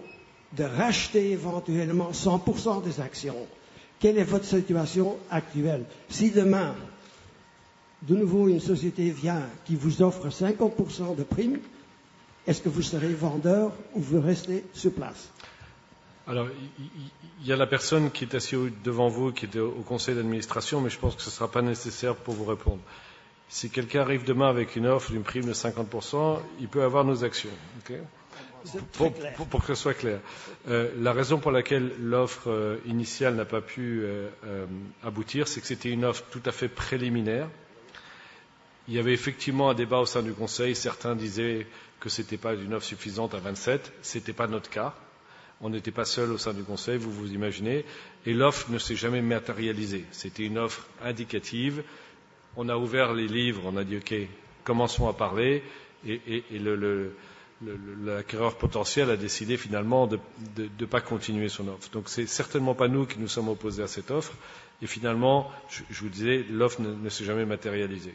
de racheter éventuellement 100% des actions. Quelle est votre situation actuelle? Si demain, de nouveau, une société vient, qui vous offre 50% de prime, est-ce que vous serez vendeur ou vous restez sur place? Alors, il y a la personne qui est assise devant vous, qui était au conseil d'administration, mais je pense que ce ne sera pas nécessaire pour vous répondre. Si quelqu'un arrive demain avec une offre d'une prime de 50%, il peut avoir nos actions. OK? C'est très clair. Pour que ce soit clair, la raison pour laquelle l'offre initiale n'a pas pu aboutir, c'est que c'était une offre tout à fait préliminaire. Il y avait effectivement un débat au sein du conseil. Certains disaient que ce n'était pas une offre suffisante à vingt-sept. Ce n'était pas notre cas. On n'était pas seuls au sein du conseil, vous vous imaginez. L'offre ne s'est jamais matérialisée. C'était une offre indicative. On a ouvert les livres, on a dit: OK, commençons à parler. L'acquéreur potentiel a décidé finalement de ne pas continuer son offre. Donc, ce n'est certainement pas nous qui nous sommes opposés à cette offre. Finalement, je vous disais, l'offre ne s'est jamais matérialisée.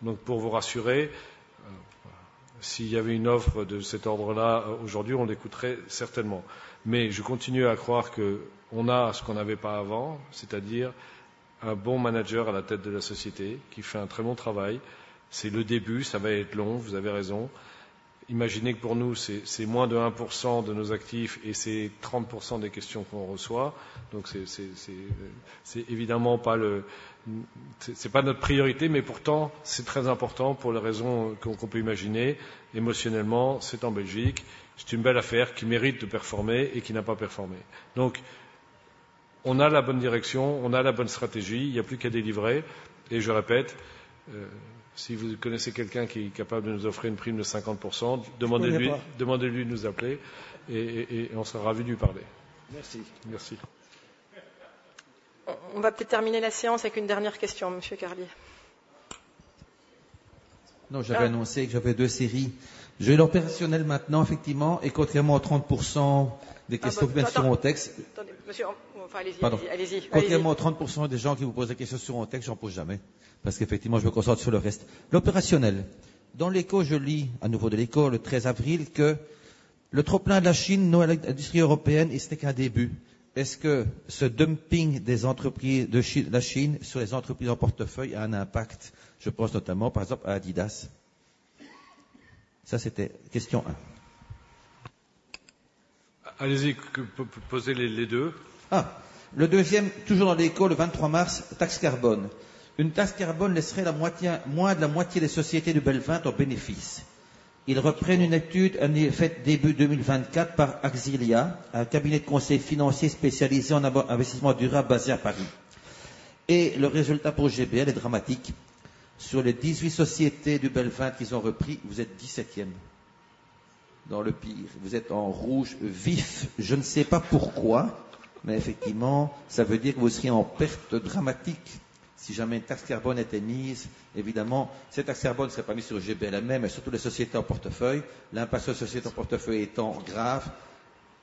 Donc, pour vous rassurer, s'il y avait une offre de cet ordre-là aujourd'hui, on l'écouterait certainement. Mais je continue à croire qu'on a ce qu'on n'avait pas avant, c'est-à-dire un bon manager à la tête de la société, qui fait un très bon travail. C'est le début, ça va être long, vous avez raison. Imaginez que pour nous, c'est moins de 1% de nos actifs et c'est 30% des questions qu'on reçoit. Donc, c'est évidemment pas notre priorité, mais pourtant, c'est très important pour les raisons qu'on peut imaginer. Émotionnellement, c'est en Belgique, c'est une belle affaire qui mérite de performer et qui n'a pas performé. Donc, on a la bonne direction, on a la bonne stratégie, il n'y a plus qu'à délivrer. Et je répète, si vous connaissez quelqu'un qui est capable de nous offrir une prime de 50%, demandez-lui de nous appeler et on sera ravi de lui parler. Merci. Merci. On va peut-être terminer la séance avec une dernière question, monsieur Carli. Non, j'avais annoncé que j'avais deux séries. Je vais aller à l'opérationnel maintenant, effectivement, et contrairement à 30% des questions qui me sont posées en texte. Attendez, monsieur, allez-y. Contrairement aux 30% des gens qui vous posent des questions sur mon texte, j'en pose jamais, parce qu'effectivement, je me concentre sur le reste. L'opérationnel. Dans l'Écho, je lis à nouveau de l'Écho, le 13 avril, que le trop-plein de la Chine noie l'industrie européenne et ce n'est qu'un début. Est-ce que ce dumping des entreprises de Chine, de la Chine sur les entreprises en portefeuille a un impact? Je pense notamment, par exemple, à Adidas. Ça, c'était question un. Allez-y, posez les deux. Ah! Le deuxième, toujours dans l'Écho, le 23 mars: taxe carbone. Une taxe carbone laisserait la moitié, moins de la moitié des sociétés de Belvent en bénéfice. Ils reprennent une étude faite début 2024 par Axilia, un cabinet de conseil financier spécialisé en investissement durable basé à Paris. Et le résultat pour GBL est dramatique. Sur les 18 sociétés du Belvent qu'ils ont repris, vous êtes 17ème. Dans le pire, vous êtes en rouge vif. Je ne sais pas pourquoi, mais effectivement, ça veut dire que vous seriez en perte dramatique si jamais une taxe carbone était mise. Évidemment, cette taxe carbone ne serait pas mise sur GBL même, mais surtout les sociétés en portefeuille. L'impact sur les sociétés en portefeuille étant grave,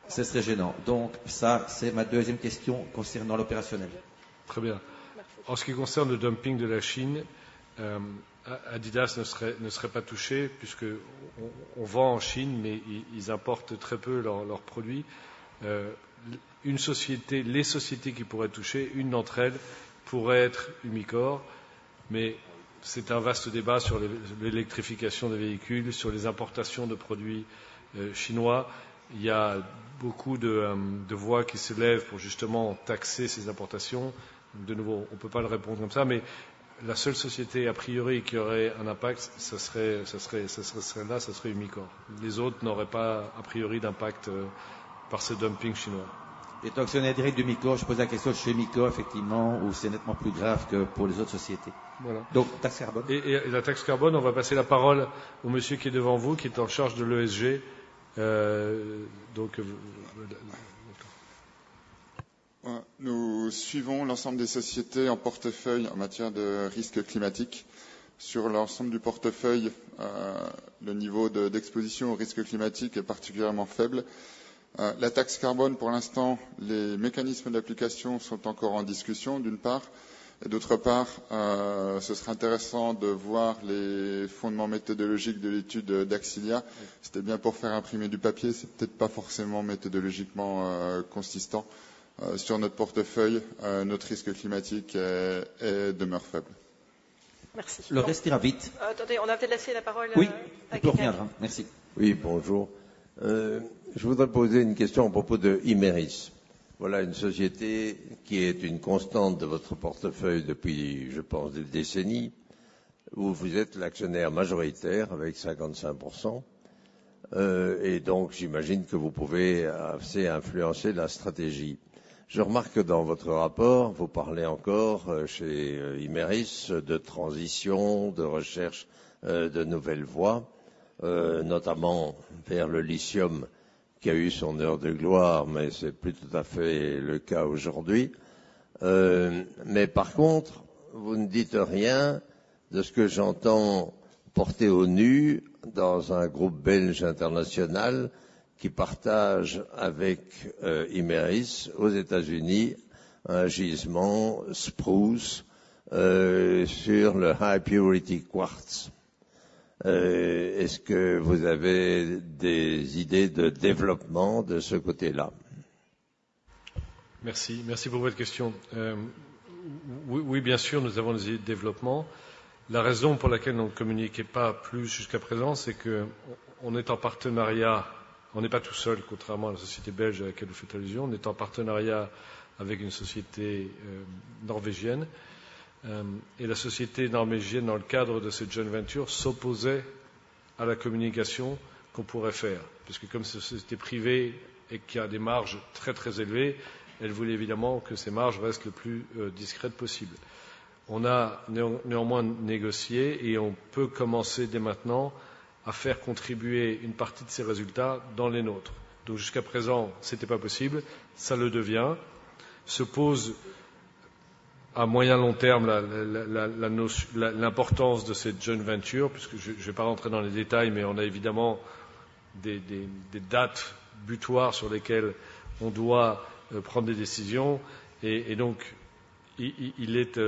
ce serait gênant. Donc, ça, c'est ma deuxième question concernant l'opérationnel. Très bien. En ce qui concerne le dumping de la Chine, Adidas ne serait pas touché puisqu'on vend en Chine, mais ils importent très peu leurs produits. Une société, les sociétés qui pourraient être touchées, une d'entre elles pourrait être Umicore, mais c'est un vaste débat sur l'électrification des véhicules, sur les importations de produits chinois. Il y a beaucoup de voix qui se lèvent pour justement taxer ces importations. De nouveau, on ne peut pas y répondre comme ça, mais la seule société a priori qui aurait un impact, ce serait Umicore. Les autres n'auraient pas a priori d'impact par ce dumping chinois. Et tant que c'est un direct d'Umicore, je pose la question chez Umicore, effectivement, où c'est nettement plus grave que pour les autres sociétés. Voilà. Donc, taxe carbone. Et la taxe carbone, on va passer la parole au monsieur qui est devant vous, qui est en charge de l'ESG. Donc... Nous suivons l'ensemble des sociétés en portefeuille en matière de risque climatique. Sur l'ensemble du portefeuille, le niveau d'exposition au risque climatique est particulièrement faible. La taxe carbone, pour l'instant, les mécanismes d'application sont encore en discussion, d'une part. Et d'autre part, ce serait intéressant de voir les fondements méthodologiques de l'étude d'Axilia. C'était bien pour faire imprimer du papier, ce n'est peut-être pas forcément méthodologiquement consistant. Sur notre portefeuille, notre risque climatique demeure faible. Merci. Le reste ira vite. Attendez, on va peut-être laisser la parole... Oui, il peut revenir. Merci. Oui, bonjour. Je voudrais poser une question à propos d'Imerys. Voilà une société qui est une constante de votre portefeuille depuis, je pense, des décennies, où vous êtes l'actionnaire majoritaire avec 55%. Et donc, j'imagine que vous pouvez assez influencer la stratégie. Je remarque que dans votre rapport, vous parlez encore chez Imerys de transition, de recherche de nouvelles voies, notamment vers le lithium, qui a eu son heure de gloire, mais ce n'est plus tout à fait le cas aujourd'hui. Mais par contre, vous ne dites rien de ce que j'entends porter au nu dans un groupe belge international qui partage avec Imerys, aux États-Unis, un gisement, Spruce, sur le high purity quartz. Est-ce que vous avez des idées de développement de ce côté-là? Merci. Merci pour votre question. Oui, bien sûr, nous avons des idées de développement. La raison pour laquelle on ne communiquait pas plus jusqu'à présent, c'est qu'on est en partenariat. On n'est pas tout seul, contrairement à la société belge à laquelle vous faites allusion. On est en partenariat avec une société norvégienne. Et la société norvégienne, dans le cadre de cette joint venture, s'opposait à la communication qu'on pourrait faire, puisque comme société privée et qui a des marges très très élevées, elle voulait évidemment que ces marges restent le plus discrètes possible. On a néanmoins négocié et on peut commencer dès maintenant à faire contribuer une partie de ces résultats dans les nôtres. Donc jusqu'à présent, ce n'était pas possible, ça le devient. Se pose à moyen, long terme, la notion, l'importance de cette joint venture, puisque je ne vais pas rentrer dans les détails, mais on a évidemment des dates butoirs sur lesquelles on doit prendre des décisions. Et donc, il est...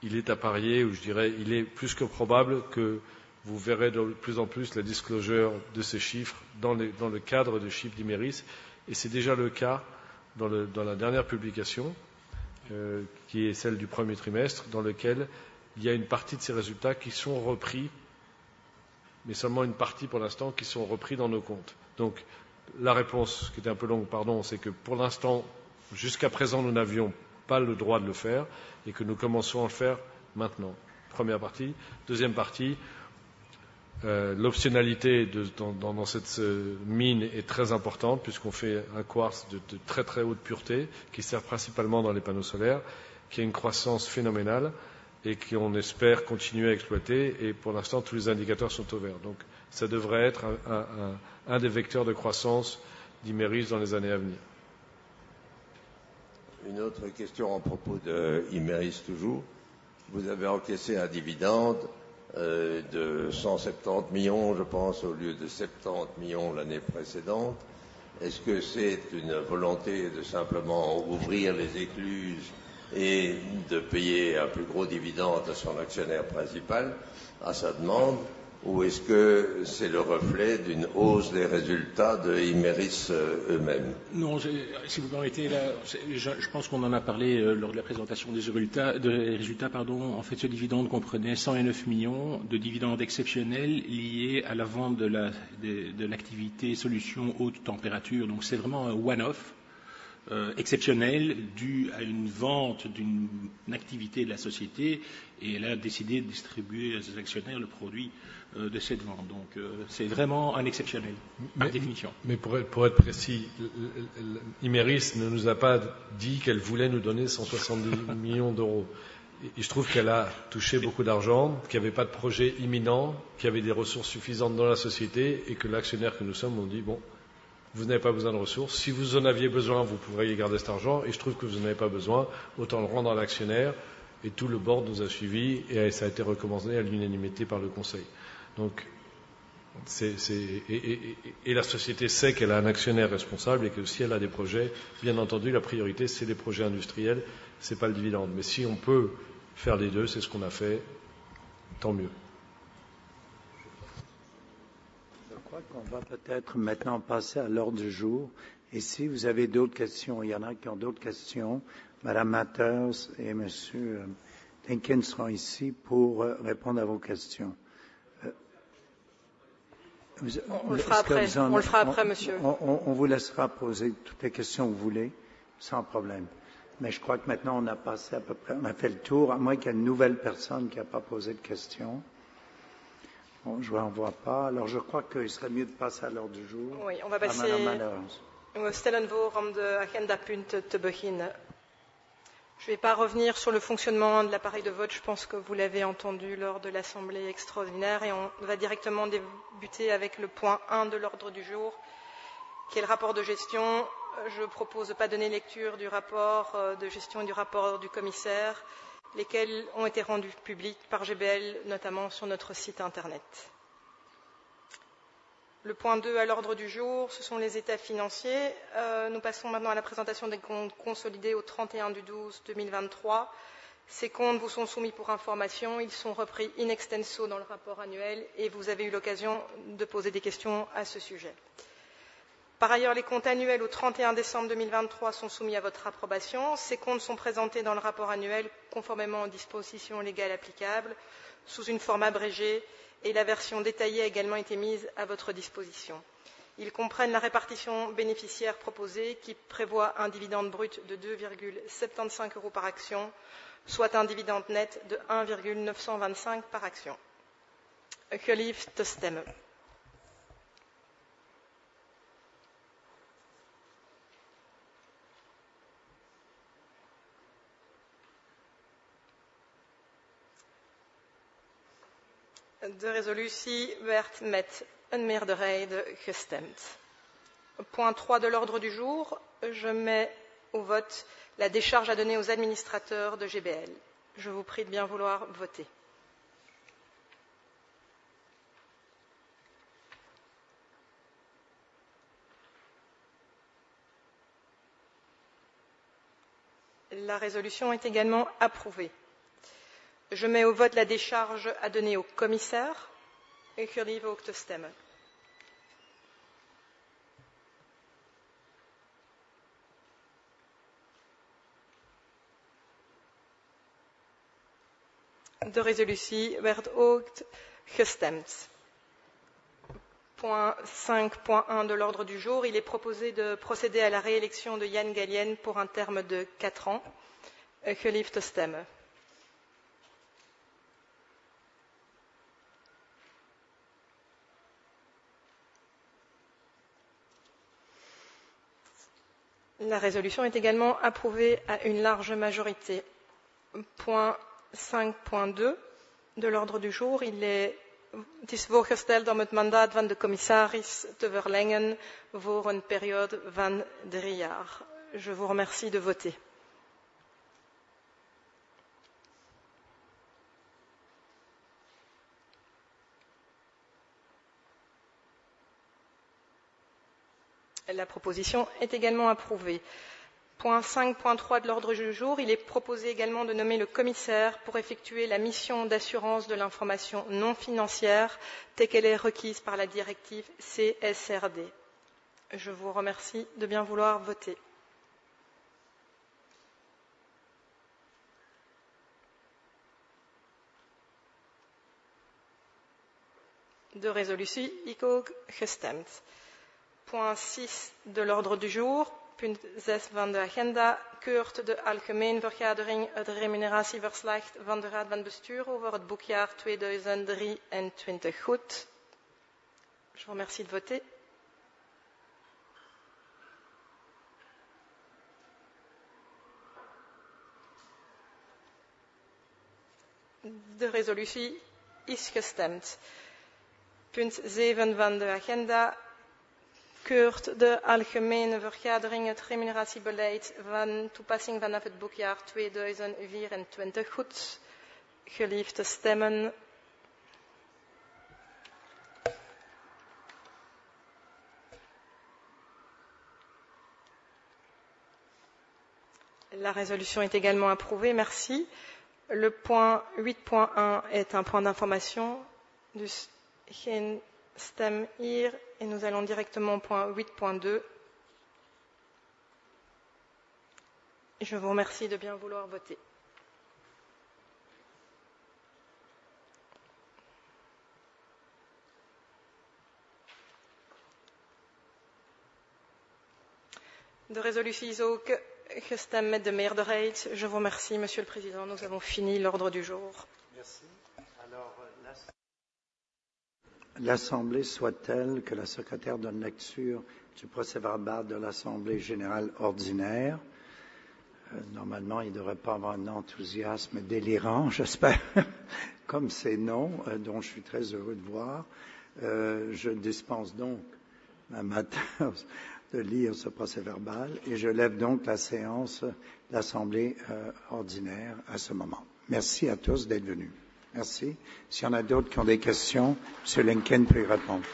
Il est à parier ou je dirais, il est plus que probable que vous verrez de plus en plus la disclosure de ces chiffres dans le cadre de chiffres d'Imerys. Et c'est déjà le cas dans la dernière publication, qui est celle du premier trimestre, dans lequel il y a une partie de ces résultats qui sont repris, mais seulement une partie, pour l'instant, qui sont repris dans nos comptes. Donc, la réponse, qui est un peu longue, pardon, c'est que pour l'instant, jusqu'à présent, nous n'avions pas le droit de le faire et que nous commençons à le faire maintenant. Première partie. Deuxième partie, l'optionnalité de, dans cette mine est très importante puisqu'on fait un quartz de très, très haute pureté, qui sert principalement dans les panneaux solaires, qui a une croissance phénoménale et qu'on espère continuer à exploiter. Et pour l'instant, tous les indicateurs sont au vert. Donc, ça devrait être un des vecteurs de croissance d'Imerys dans les années à venir. Une autre question à propos d'Imerys toujours. Vous avez encaissé un dividende de 170 millions €, je pense, au lieu de 70 millions € l'année précédente. Est-ce que c'est une volonté de simplement ouvrir les écluses et de payer un plus gros dividende à son actionnaire principal, à sa demande? Ou est-ce que c'est le reflet d'une hausse des résultats d'Imerys eux-mêmes? Non, si vous m'arrêtez là, je pense qu'on en a parlé lors de la présentation des résultats. En fait, ce dividende comprenait 109 millions d'euros de dividendes exceptionnels liés à la vente de l'activité Solutions Hautes Températures. Donc c'est vraiment un one-off exceptionnel dû à une vente d'une activité de la société et elle a décidé de distribuer à ses actionnaires le produit de cette vente. Donc, c'est vraiment un exceptionnel, par définition. Mais pour être précis, Imerys ne nous a pas dit qu'elle voulait nous donner cent soixante-douze millions d'euros. Je trouve qu'elle a touché beaucoup d'argent, qu'il n'y avait pas de projet imminent, qu'il y avait des ressources suffisantes dans la société et que l'actionnaire que nous sommes ont dit: « Bon, vous n'avez pas besoin de ressources. Si vous en aviez besoin, vous pourriez garder cet argent et je trouve que vous n'en avez pas besoin, autant le rendre à l'actionnaire. » Tout le board nous a suivis et ça a été recommandé à l'unanimité par le Conseil. Donc, c'est... La société sait qu'elle a un actionnaire responsable et que si elle a des projets, bien entendu, la priorité, c'est les projets industriels, ce n'est pas le dividende. Mais si on peut faire les deux, c'est ce qu'on a fait. Tant mieux. Je crois qu'on va peut-être maintenant passer à l'ordre du jour. Et si vous avez d'autres questions, il y en a qui ont d'autres questions. Madame Mathers et Monsieur Lincoln seront ici pour répondre à vos questions. On le fera après, monsieur. On vous laissera poser toutes les questions que vous voulez, sans problème. Mais je crois que maintenant, on a passé à peu près, on a fait le tour, à moins qu'il y ait une nouvelle personne qui n'a pas posé de questions. Bon, je n'en vois pas. Alors, je crois qu'il serait mieux de passer à l'ordre du jour. Oui, on va passer. Je ne vais pas revenir sur le fonctionnement de l'appareil de vote. Je pense que vous l'avez entendu lors de l'Assemblée extraordinaire et on va directement débuter avec le point un de l'ordre du jour, qui est le rapport de gestion. Je propose de ne pas donner lecture du rapport de gestion et du rapport du commissaire, lesquels ont été rendus publics par GBL, notamment sur notre site Internet. Le point deux à l'ordre du jour, ce sont les états financiers. Nous passons maintenant à la présentation des comptes consolidés au 31 décembre 2023. Ces comptes vous sont soumis pour information. Ils sont repris in extenso dans le rapport annuel et vous avez eu l'occasion de poser des questions à ce sujet. Par ailleurs, les comptes annuels au 31 décembre 2023 sont soumis à votre approbation. Ces comptes sont présentés dans le rapport annuel, conformément aux dispositions légales applicables, sous une forme abrégée, et la version détaillée a également été mise à votre disposition. Ils comprennent la répartition bénéficiaire proposée, qui prévoit un dividende brut de €2,75 par action, soit un dividende net de €1,925 par action. ` tags Please paste the transcript content you'd like me to work with Point trois de l'ordre du jour: je mets au vote la décharge à donner aux administrateurs de GBL. Je vous prie de bien vouloir voter. La résolution est également approuvée. Je mets au vote la décharge à donner au commissaire. Point cinq, point un de l'ordre du jour. Il est proposé de procéder à la réélection de Yann Gallienne pour un terme de quatre ans. La résolution est également approuvée à une large majorité. Point cinq, point deux de l'ordre du jour, il est... Je vous remercie de voter. La proposition est également approuvée. Point cinq, point trois de l'ordre du jour. Il est proposé également de nommer le commissaire pour effectuer la mission d'assurance de l'information non financière, telle qu'elle est requise par la directive CSRD. Je vous remercie de bien vouloir voter. La résolution est également approuvée. Point six de l'ordre du jour. Punt zes van de agenda keurt de Algemene Vergadering het remuneratieverslag van de Raad van Bestuur over het boekjaar tweeduizend drieëntwintig goed. Je vous remercie de voter. De resolutie is gestemd. Punt zeven van de agenda keurt de Algemene Vergadering het remuneratiebeleid van toepassing vanaf het boekjaar tweeduizend vierentwintig goed. Gelieve te stemmen. La résolution est également approuvée. Merci. Le point huit point un est un point d'information. Dus geen stem hier et nous allons directement au point huit point deux. Je vous remercie de bien vouloir voter. De resolutie is ook gestemd met de meerderheid. Je vous remercie, Monsieur le Président. Nous avons fini l'ordre du jour. Merci. Alors, l'Assemblée soit telle que la secrétaire donne lecture du procès-verbal de l'assemblée générale ordinaire. Normalement, il ne devrait pas y avoir un enthousiasme délirant, j'espère, comme ces noms dont je suis très heureux de voir. Je dispense donc la matière de lire ce procès-verbal et je lève donc la séance d'assemblée ordinaire à ce moment. Merci à tous d'être venus. Merci. S'il y en a d'autres qui ont des questions, Monsieur Lincoln peut y répondre.